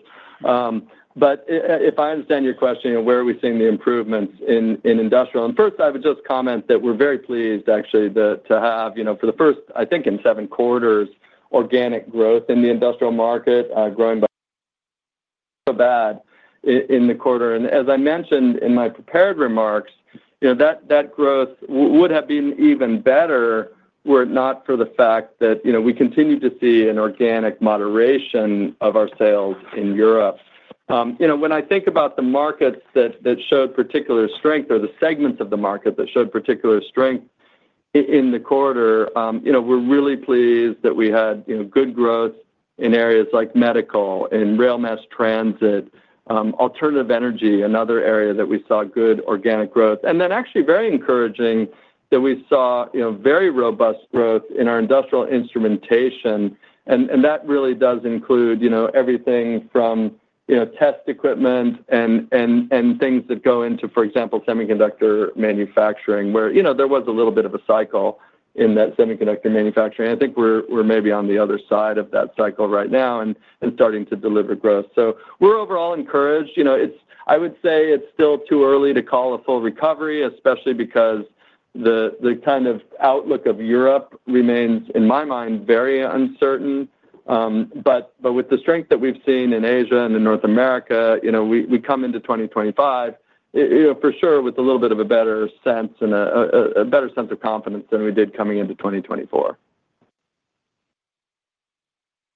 But if I understand your question, where are we seeing the improvements in industrial? And first, I would just comment that we're very pleased, actually, to have for the first, I think, in seven quarters, organic growth in the industrial market growing so broadly in the quarter. And as I mentioned in my prepared remarks, that growth would have been even better were it not for the fact that we continue to see an organic moderation of our sales in Europe. When I think about the markets that showed particular strength or the segments of the market that showed particular strength in the quarter, we're really pleased that we had good growth in areas like medical and rail mass transit, alternative energy, another area that we saw good organic growth. And then actually very encouraging that we saw very robust growth in our industrial instrumentation. And that really does include everything from test equipment and things that go into, for example, semiconductor manufacturing, where there was a little bit of a cycle in that semiconductor manufacturing. I think we're maybe on the other side of that cycle right now and starting to deliver growth. So we're overall encouraged. I would say it's still too early to call a full recovery, especially because the kind of outlook of Europe remains, in my mind, very uncertain. But with the strength that we've seen in Asia and in North America, we come into 2025 for sure with a little bit of a better sense and a better sense of confidence than we did coming into 2024.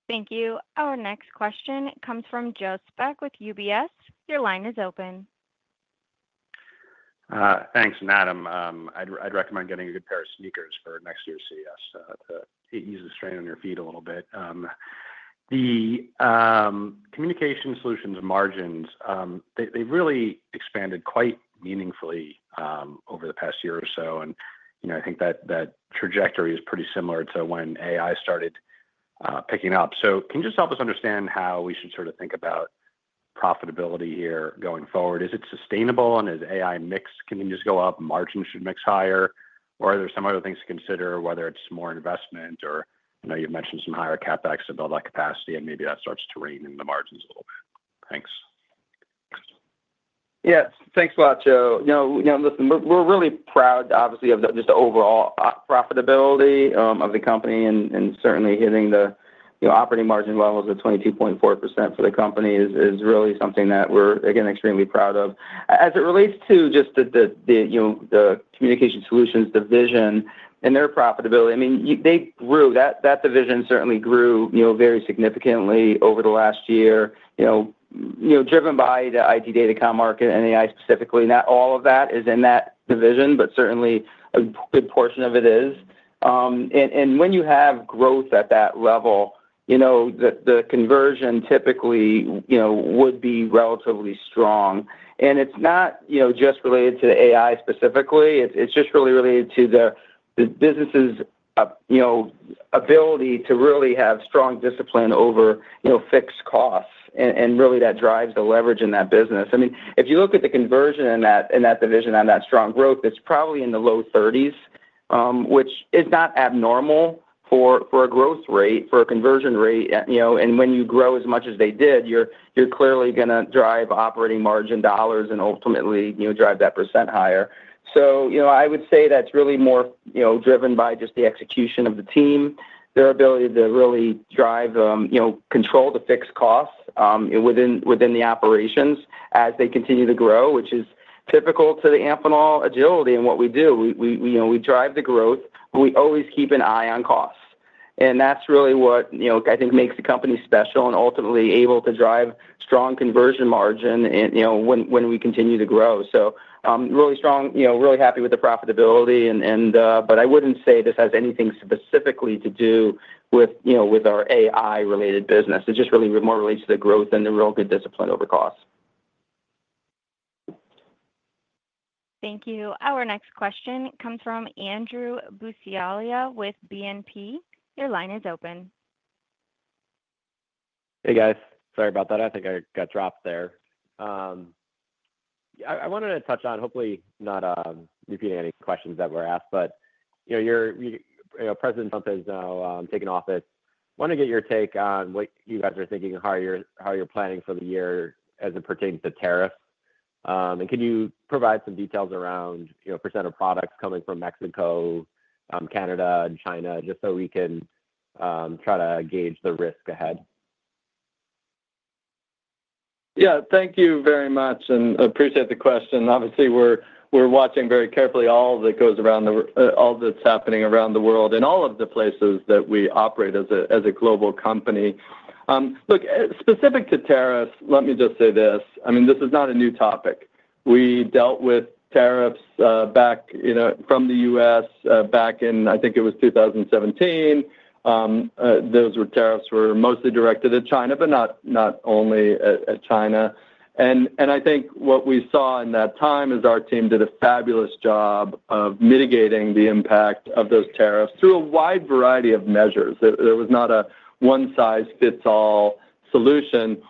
Thank you. Our next question comes from Joseph Spak with UBS. Your line is open. Thanks, Adam. I'd recommend getting a good pair of sneakers for next year's CES to ease the strain on your feet a little bit. The Communications Solutions margins, they've really expanded quite meaningfully over the past year or so. And I think that trajectory is pretty similar to when AI started picking up. So can you just help us understand how we should sort of think about profitability here going forward? Is it sustainable, and is AI mix going to just go up? Margins should mix higher, or are there some other things to consider, whether it's more investment or you've mentioned some higher CapEx to build up capacity, and maybe that starts to rein in the margins a little bit? Thanks. Yeah. Thanks a lot, Joseph. We're really proud, obviously, of just the overall profitability of the company. Certainly, hitting the operating margin levels of 22.4% for the company is really something that we're, again, extremely proud of. As it relates to just the Communications Solutions division and their profitability, I mean, they grew. That division certainly grew very significantly over the last year, driven by the IT Data Comm market and AI specifically. Not all of that is in that division, but certainly a good portion of it is. And when you have growth at that level, the conversion typically would be relatively strong. And it's not just related to the AI specifically. It's just really related to the business's ability to really have strong discipline over fixed costs. And really, that drives the leverage in that business. I mean, if you look at the conversion in that division and that strong growth, it's probably in the low 30s, which is not abnormal for a growth rate, for a conversion rate. And when you grow as much as they did, you're clearly going to drive operating margin dollars and ultimately drive that percent higher. So I would say that's really more driven by just the execution of the team, their ability to really drive control to fix costs within the operations as they continue to grow, which is typical to the Amphenol agility and what we do. We drive the growth, but we always keep an eye on costs. And that's really what I think makes the company special and ultimately able to drive strong conversion margin when we continue to grow. So really strong, really happy with the profitability. But I wouldn't say this has anything specifically to do with our AI-related business. It just really more relates to the growth and the real good discipline over cost. Thank you. Our next question comes from Andrew Buscaglia with BNP. Your line is open. Hey, guys. Sorry about that. I think I got dropped there. I wanted to touch on, hopefully not repeating any questions that were asked, but President Trump has now taken office. I want to get your take on what you guys are thinking and how you're planning for the year as it pertains to tariffs. And can you provide some details around percent of products coming from Mexico, Canada, and China, just so we can try to gauge the risk ahead? Yeah. Thank you very much, and appreciate the question. Obviously, we're watching very carefully all that goes around, all that's happening around the world and all of the places that we operate as a global company. Look, specific to tariffs, let me just say this. I mean, this is not a new topic. We dealt with tariffs from the U.S. back in, I think it was 2017. Those tariffs were mostly directed at China, but not only at China. And I think what we saw in that time is our team did a fabulous job of mitigating the impact of those tariffs through a wide variety of measures. There was not a one-size-fits-all solution.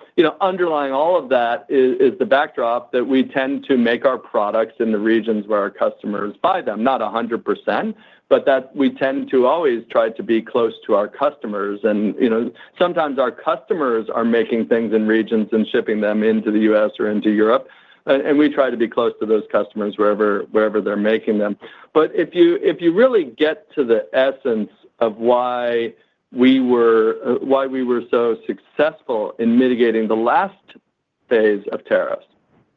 Underlying all of that is the backdrop that we tend to make our products in the regions where our customers buy them, not 100%, but that we tend to always try to be close to our customers. And sometimes our customers are making things in regions and shipping them into the U.S. or into Europe. And we try to be close to those customers wherever they're making them. But if you really get to the essence of why we were so successful in mitigating the last phase of tariffs,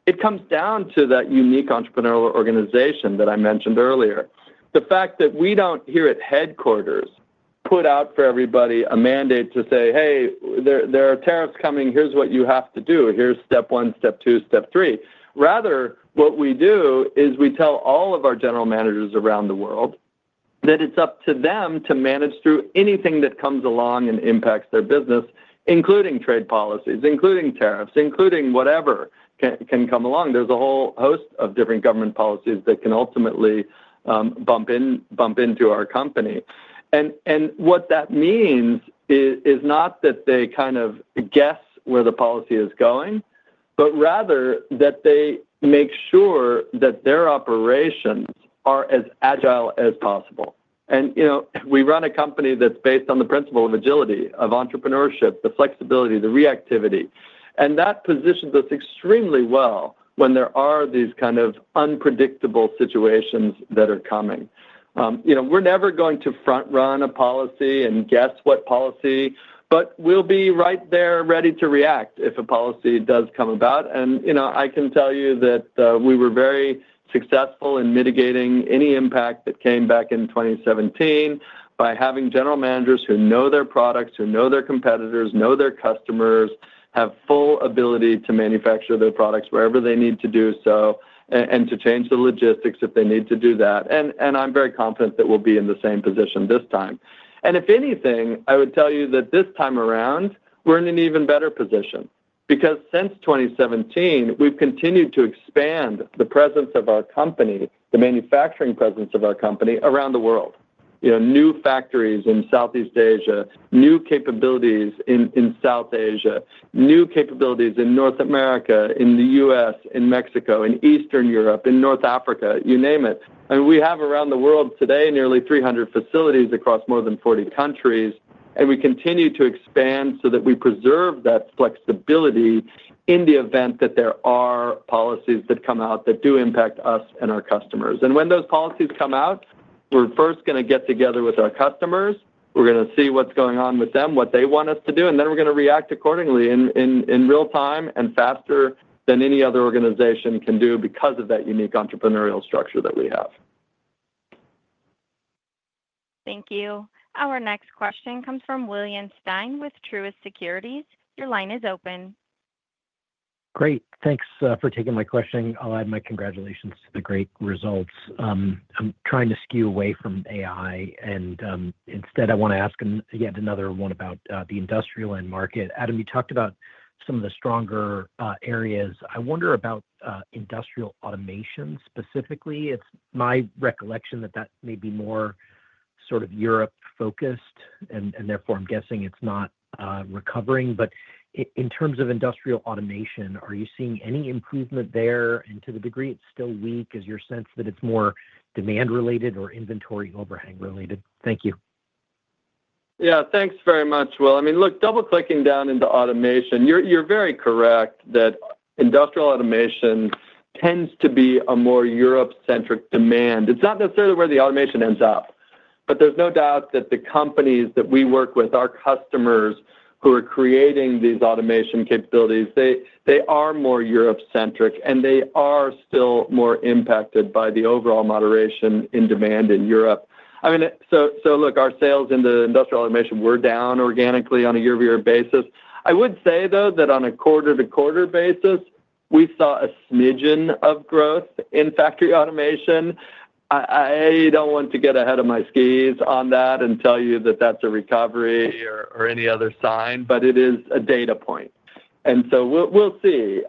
it comes down to that unique entrepreneurial organization that I mentioned earlier. The fact that we don't, here at headquarters, put out for everybody a mandate to say, "Hey, there are tariffs coming. Here's what you have to do. Here's step one, step two, step three." Rather, what we do is we tell all of our general managers around the world that it's up to them to manage through anything that comes along and impacts their business, including trade policies, including tariffs, including whatever can come along. There's a whole host of different government policies that can ultimately bump into our company. And what that means is not that they kind of guess where the policy is going, but rather that they make sure that their operations are as agile as possible. And we run a company that's based on the principle of agility, of entrepreneurship, the flexibility, the reactivity. And that positions us extremely well when there are these kind of unpredictable situations that are coming. We're never going to front-run a policy and guess what policy, but we'll be right there ready to react if a policy does come about. I can tell you that we were very successful in mitigating any impact that came back in 2017 by having general managers who know their products, who know their competitors, know their customers, have full ability to manufacture their products wherever they need to do so and to change the logistics if they need to do that. I'm very confident that we'll be in the same position this time. If anything, I would tell you that this time around, we're in an even better position because since 2017, we've continued to expand the presence of our company, the manufacturing presence of our company around the world. New factories in Southeast Asia, new capabilities in South Asia, new capabilities in North America, in the U.S., in Mexico, in Eastern Europe, in North Africa, you name it. We have around the world today nearly 300 facilities across more than 40 countries. We continue to expand so that we preserve that flexibility in the event that there are policies that come out that do impact us and our customers. When those policies come out, we're first going to get together with our customers. We're going to see what's going on with them, what they want us to do, and then we're going to react accordingly in real time and faster than any other organization can do because of that unique entrepreneurial structure that we have. Thank you. Our next question comes from William Stein with Truist Securities. Your line is open. Great. Thanks for taking my question. I'll add my congratulations to the great results. I'm trying to steer away from AI, and instead, I want to ask yet another one about the industrial end market. Adam, you talked about some of the stronger areas. I wonder about industrial automation specifically. It's my recollection that that may be more sort of Europe-focused, and therefore, I'm guessing it's not recovering. But in terms of industrial automation, are you seeing any improvement there and to the degree it's still weak? Is your sense that it's more demand-related or inventory overhang-related? Thank you. Yeah. Thanks very much, William. I mean, look, drilling down into automation, you're very correct that industrial automation tends to be a more Europe-centric demand. It's not necessarily where the automation ends up, but there's no doubt that the companies that we work with, our customers who are creating these automation capabilities, they are more Europe-centric, and they are still more impacted by the overall moderation in demand in Europe. I mean, so look, our sales in the industrial automation, we're down organically on a year-over-year basis. I would say, though, that on a quarter-to-quarter basis, we saw a smidgen of growth in factory automation. I don't want to get ahead of my skis on that and tell you that that's a recovery or any other sign, but it is a data point, and so we'll see.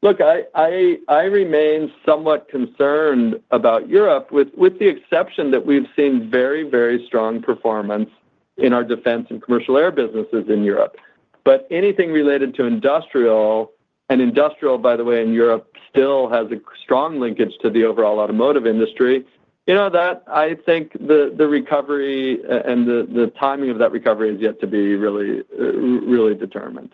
Look, I remain somewhat concerned about Europe, with the exception that we've seen very, very strong performance in our defense and commercial air businesses in Europe. But anything related to industrial, and industrial, by the way, in Europe still has a strong linkage to the overall automotive industry, that I think the recovery and the timing of that recovery is yet to be really determined.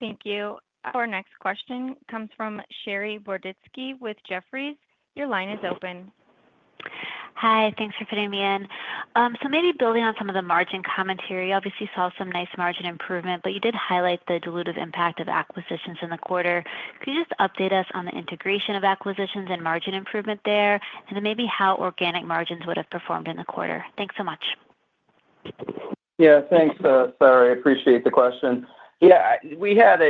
Thank you. Our next question comes from Saree Boroditsky with Jefferies. Your line is open. Hi. Thanks for fitting me in. So maybe building on some of the margin commentary, obviously saw some nice margin improvement, but you did highlight the dilutive impact of acquisitions in the quarter. Could you just update us on the integration of acquisitions and margin improvement there, and then maybe how organic margins would have performed in the quarter? Thanks so much. Yeah. Thanks, Saree. I appreciate the question. Yeah. We had,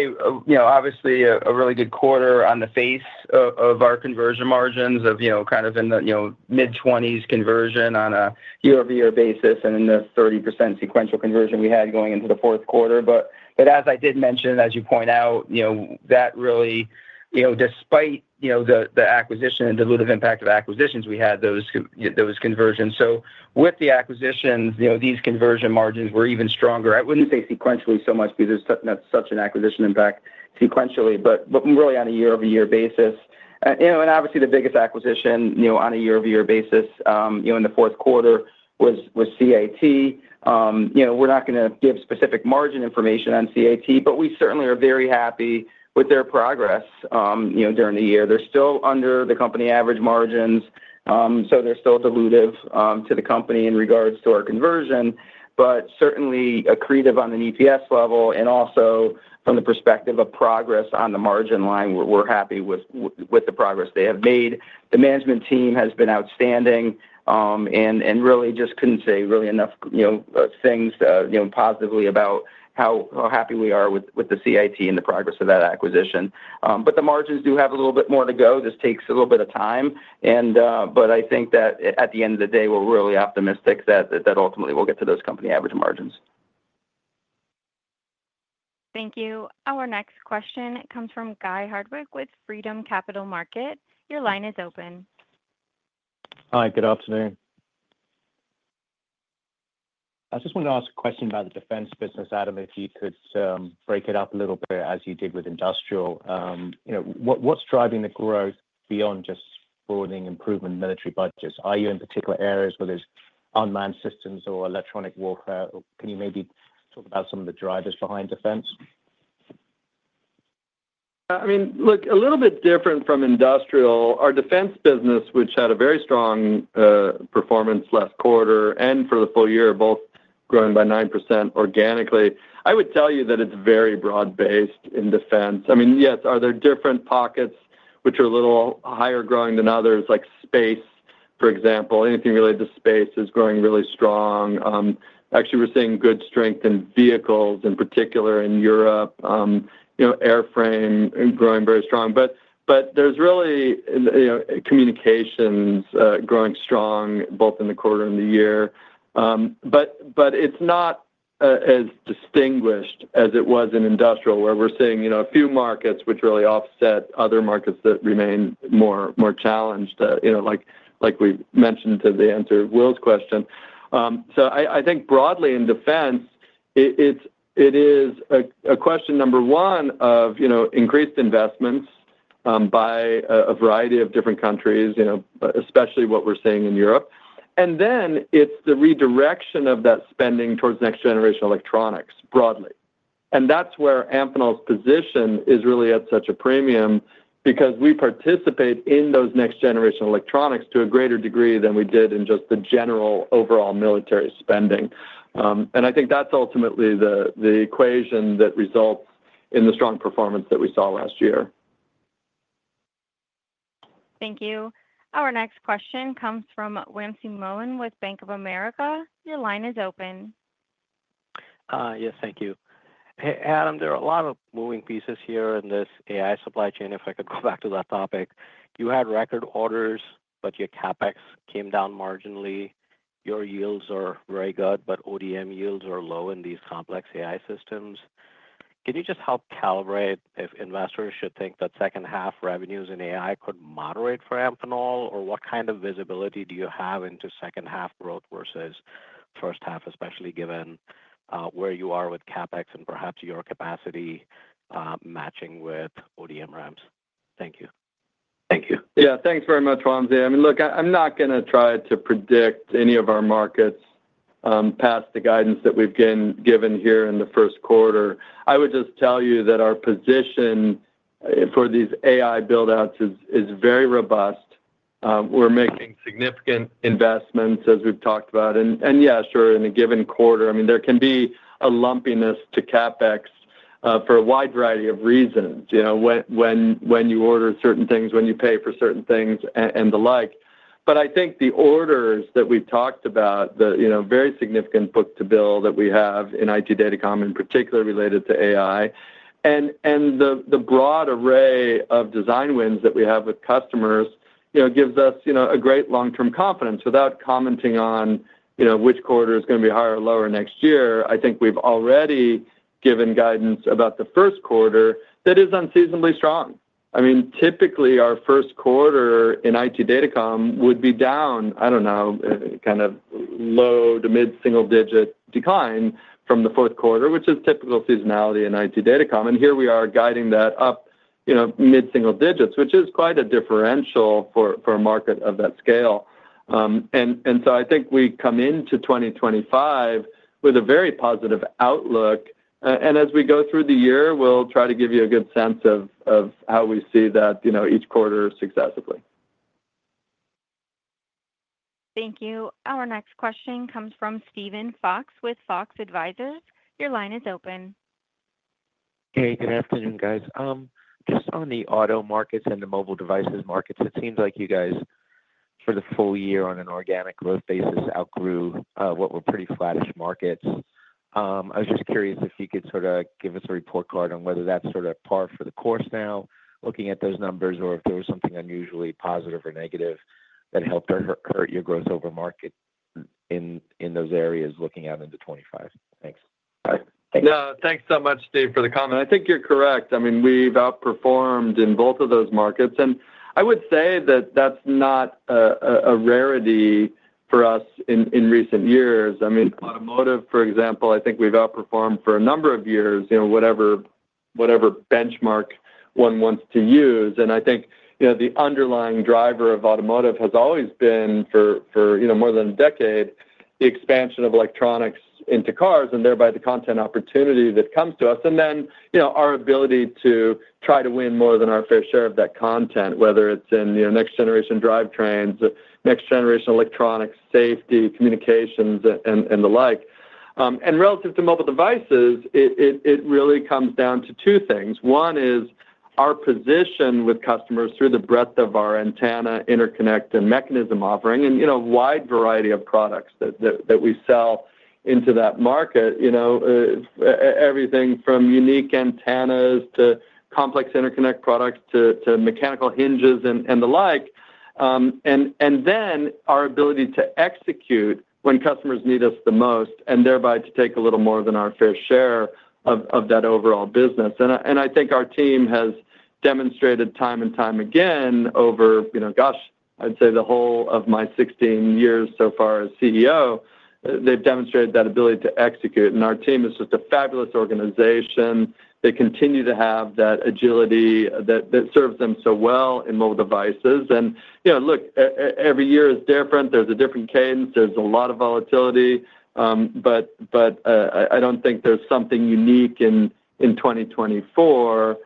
obviously, a really good quarter on the face of our conversion margins of kind of in the mid-20s% conversion on a year-over-year basis and in the 30% sequential conversion we had going into the fourth quarter. But as I did mention, as you point out, that really, despite the acquisition and dilutive impact of acquisitions, we had those conversions. So with the acquisitions, these conversion margins were even stronger. I wouldn't say sequentially so much because there's not such an acquisition impact sequentially, but really on a year-over-year basis. And obviously, the biggest acquisition on a year-over-year basis in the fourth quarter was CIT. We're not going to give specific margin information on CIT, but we certainly are very happy with their progress during the year. They're still under the company average margins, so they're still dilutive to the company in regards to our conversion, but certainly accretive on an EPS level. And also, from the perspective of progress on the margin line, we're happy with the progress they have made. The management team has been outstanding and really just couldn't say really enough things positively about how happy we are with the CIT and the progress of that acquisition. But the margins do have a little bit more to go. This takes a little bit of time. But I think that at the end of the day, we're really optimistic that ultimately we'll get to those company average margins. Thank you. Our next question comes from Guy Hardwick with Freedom Capital Markets. Your line is open. Hi. Good afternoon. I just wanted to ask a question about the defense business, Adam, if you could break it up a little bit as you did with industrial. What's driving the growth beyond just broadening improvement in military budgets? Are you in particular areas where there's unmanned systems or electronic warfare? Can you maybe talk about some of the drivers behind defense? I mean, look, a little bit different from industrial, our defense business, which had a very strong performance last quarter and for the full year, both growing by 9% organically. I would tell you that it's very broad-based in defense. I mean, yes, are there different pockets which are a little higher growing than others, like space, for example? Anything related to space is growing really strong. Actually, we're seeing good strength in vehicles in particular in Europe. Airframe is growing very strong. But there's really communications growing strong both in the quarter and the year, but it's not as distinguished as it was in industrial, where we're seeing a few markets which really offset other markets that remain more challenged, like we mentioned to the answer to William's question, so I think broadly in defense, it is a question number one of increased investments by a variety of different countries, especially what we're seeing in Europe. And then it's the redirection of that spending towards next-generation electronics broadly. And that's where Amphenol's position is really at such a premium because we participate in those next-generation electronics to a greater degree than we did in just the general overall military spending. And I think that's ultimately the equation that results in the strong performance that we saw last year. Thank you. Our next question comes from Wamsi Mohan with Bank of America. Your line is open. Yes. Thank you. Adam, there are a lot of moving pieces here in this AI supply chain. If I could go back to that topic, you had record orders, but your CapEx came down marginally. Your yields are very good, but ODM yields are low in these complex AI systems. Can you just help calibrate if investors should think that second-half revenues in AI could moderate for Amphenol, or what kind of visibility do you have into second-half growth versus first-half, especially given where you are with CapEx and perhaps your capacity matching with ODM ramps? Thank you. Thank you. Yeah. Thanks very much, Wamsi. I mean, look, I'm not going to try to predict any of our markets past the guidance that we've been given here in the first quarter. I would just tell you that our position for these AI buildouts is very robust. We're making significant investments, as we've talked about. Yeah, sure, in a given quarter, I mean, there can be a lumpiness to CapEx for a wide variety of reasons when you order certain things, when you pay for certain things, and the like. I think the orders that we've talked about, the very significant book-to-bill that we have in IT Data Comm, particularly related to AI, and the broad array of design wins that we have with customers gives us a great long-term confidence. Without commenting on which quarter is going to be higher or lower next year, I think we've already given guidance about the first quarter that is unseasonably strong. I mean, typically, our first quarter in IT Data Comm would be down, I don't know, kind of low to mid-single-digit decline from the fourth quarter, which is typical seasonality in IT Data Comm. Here we are guiding that up mid-single digits, which is quite a differential for a market of that scale. So I think we come into 2025 with a very positive outlook. As we go through the year, we'll try to give you a good sense of how we see that each quarter successively. Thank you. Our next question comes from Steven Fox with Fox Advisors. Your line is open. Hey. Good afternoon, guys. Just on the auto markets and the mobile devices markets, it seems like you guys, for the full year on an organic growth basis, outgrew what were pretty flattish markets. I was just curious if you could sort of give us a report card on whether that's sort of par for the course now, looking at those numbers, or if there was something unusually positive or negative that helped hurt your growth over market in those areas looking out into 2025. Thanks. Thanks. No, thanks so much, Steven, for the comment. I think you're correct. I mean, we've outperformed in both of those markets. And I would say that that's not a rarity for us in recent years. I mean, automotive, for example, I think we've outperformed for a number of years, whatever benchmark one wants to use. And I think the underlying driver of automotive has always been, for more than a decade, the expansion of electronics into cars and thereby the content opportunity that comes to us. And then our ability to try to win more than our fair share of that content, whether it's in next-generation drivetrains, next-generation electronics, safety, communications, and the like. And relative to mobile devices, it really comes down to two things. One is our position with customers through the breadth of our antenna interconnect and mechanism offering and wide variety of products that we sell into that market, everything from unique antennas to complex interconnect products to mechanical hinges and the like. And then our ability to execute when customers need us the most and thereby to take a little more than our fair share of that overall business. And I think our team has demonstrated time and time again over, gosh, I'd say the whole of my 16 years so far as CEO, they've demonstrated that ability to execute. And our team is just a fabulous organization. They continue to have that agility that serves them so well in mobile devices. And look, every year is different. There's a different cadence. There's a lot of volatility. But I don't think there's something unique in 2024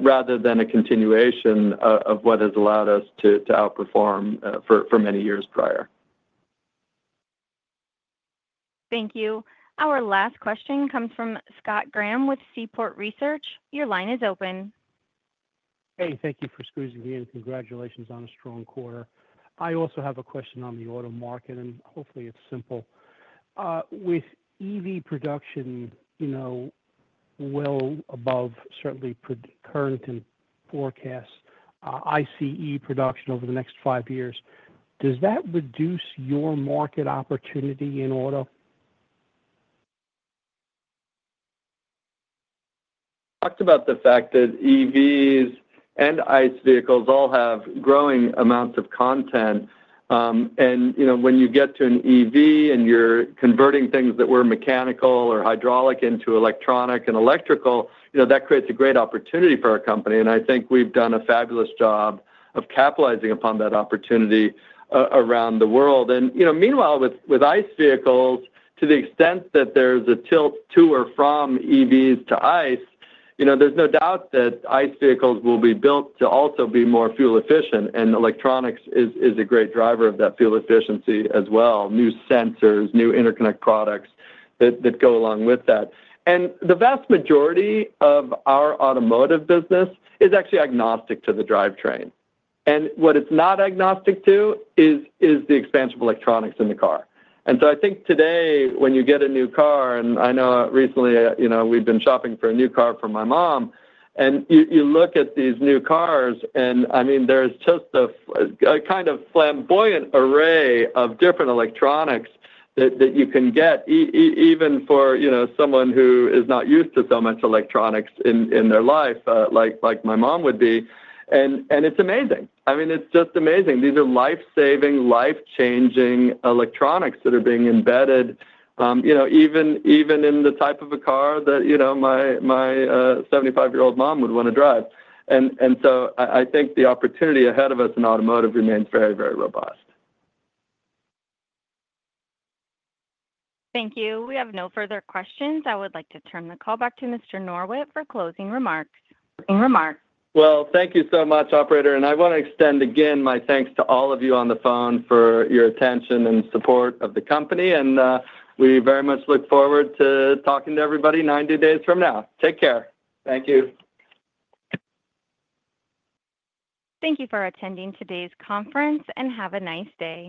rather than a continuation of what has allowed us to outperform for many years prior. Thank you. Our last question comes from Scott Graham with Seaport Research Partners. Your line is open. Hey. Thank you for squeezing in. Congratulations on a strong quarter. I also have a question on the auto market, and hopefully, it's simple. With EV production well above certainly current and forecast ICE production over the next five years, does that reduce your market opportunity in auto? Talked about the fact that EVs and ICE vehicles all have growing amounts of content. And when you get to an EV and you're converting things that were mechanical or hydraulic into electronic and electrical, that creates a great opportunity for our company. And I think we've done a fabulous job of capitalizing upon that opportunity around the world. And meanwhile, with ICE vehicles, to the extent that there's a tilt to or from EVs to ICE, there's no doubt that ICE vehicles will be built to also be more fuel efficient. And electronics is a great driver of that fuel efficiency as well. New sensors, new interconnect products that go along with that. And the vast majority of our automotive business is actually agnostic to the drivetrain. And what it's not agnostic to is the expansion of electronics in the car. And so I think today, when you get a new car, and I know recently we've been shopping for a new car for my mom, and you look at these new cars, and I mean, there is just a kind of flamboyant array of different electronics that you can get, even for someone who is not used to so much electronics in their life, like my mom would be. And it's amazing. I mean, it's just amazing. These are life-saving, life-changing electronics that are being embedded even in the type of a car that my 75-year-old mom would want to drive. And so I think the opportunity ahead of us in automotive remains very, very robust. Thank you. We have no further questions. I would like to turn the call back to Mr. Norwitt for closing remarks. Well, thank you so much, operator. I want to extend again my thanks to all of you on the phone for your attention and support of the company. We very much look forward to talking to everybody 90 days from now. Take care. Thank you. Thank you for attending today's conference, and have a nice day.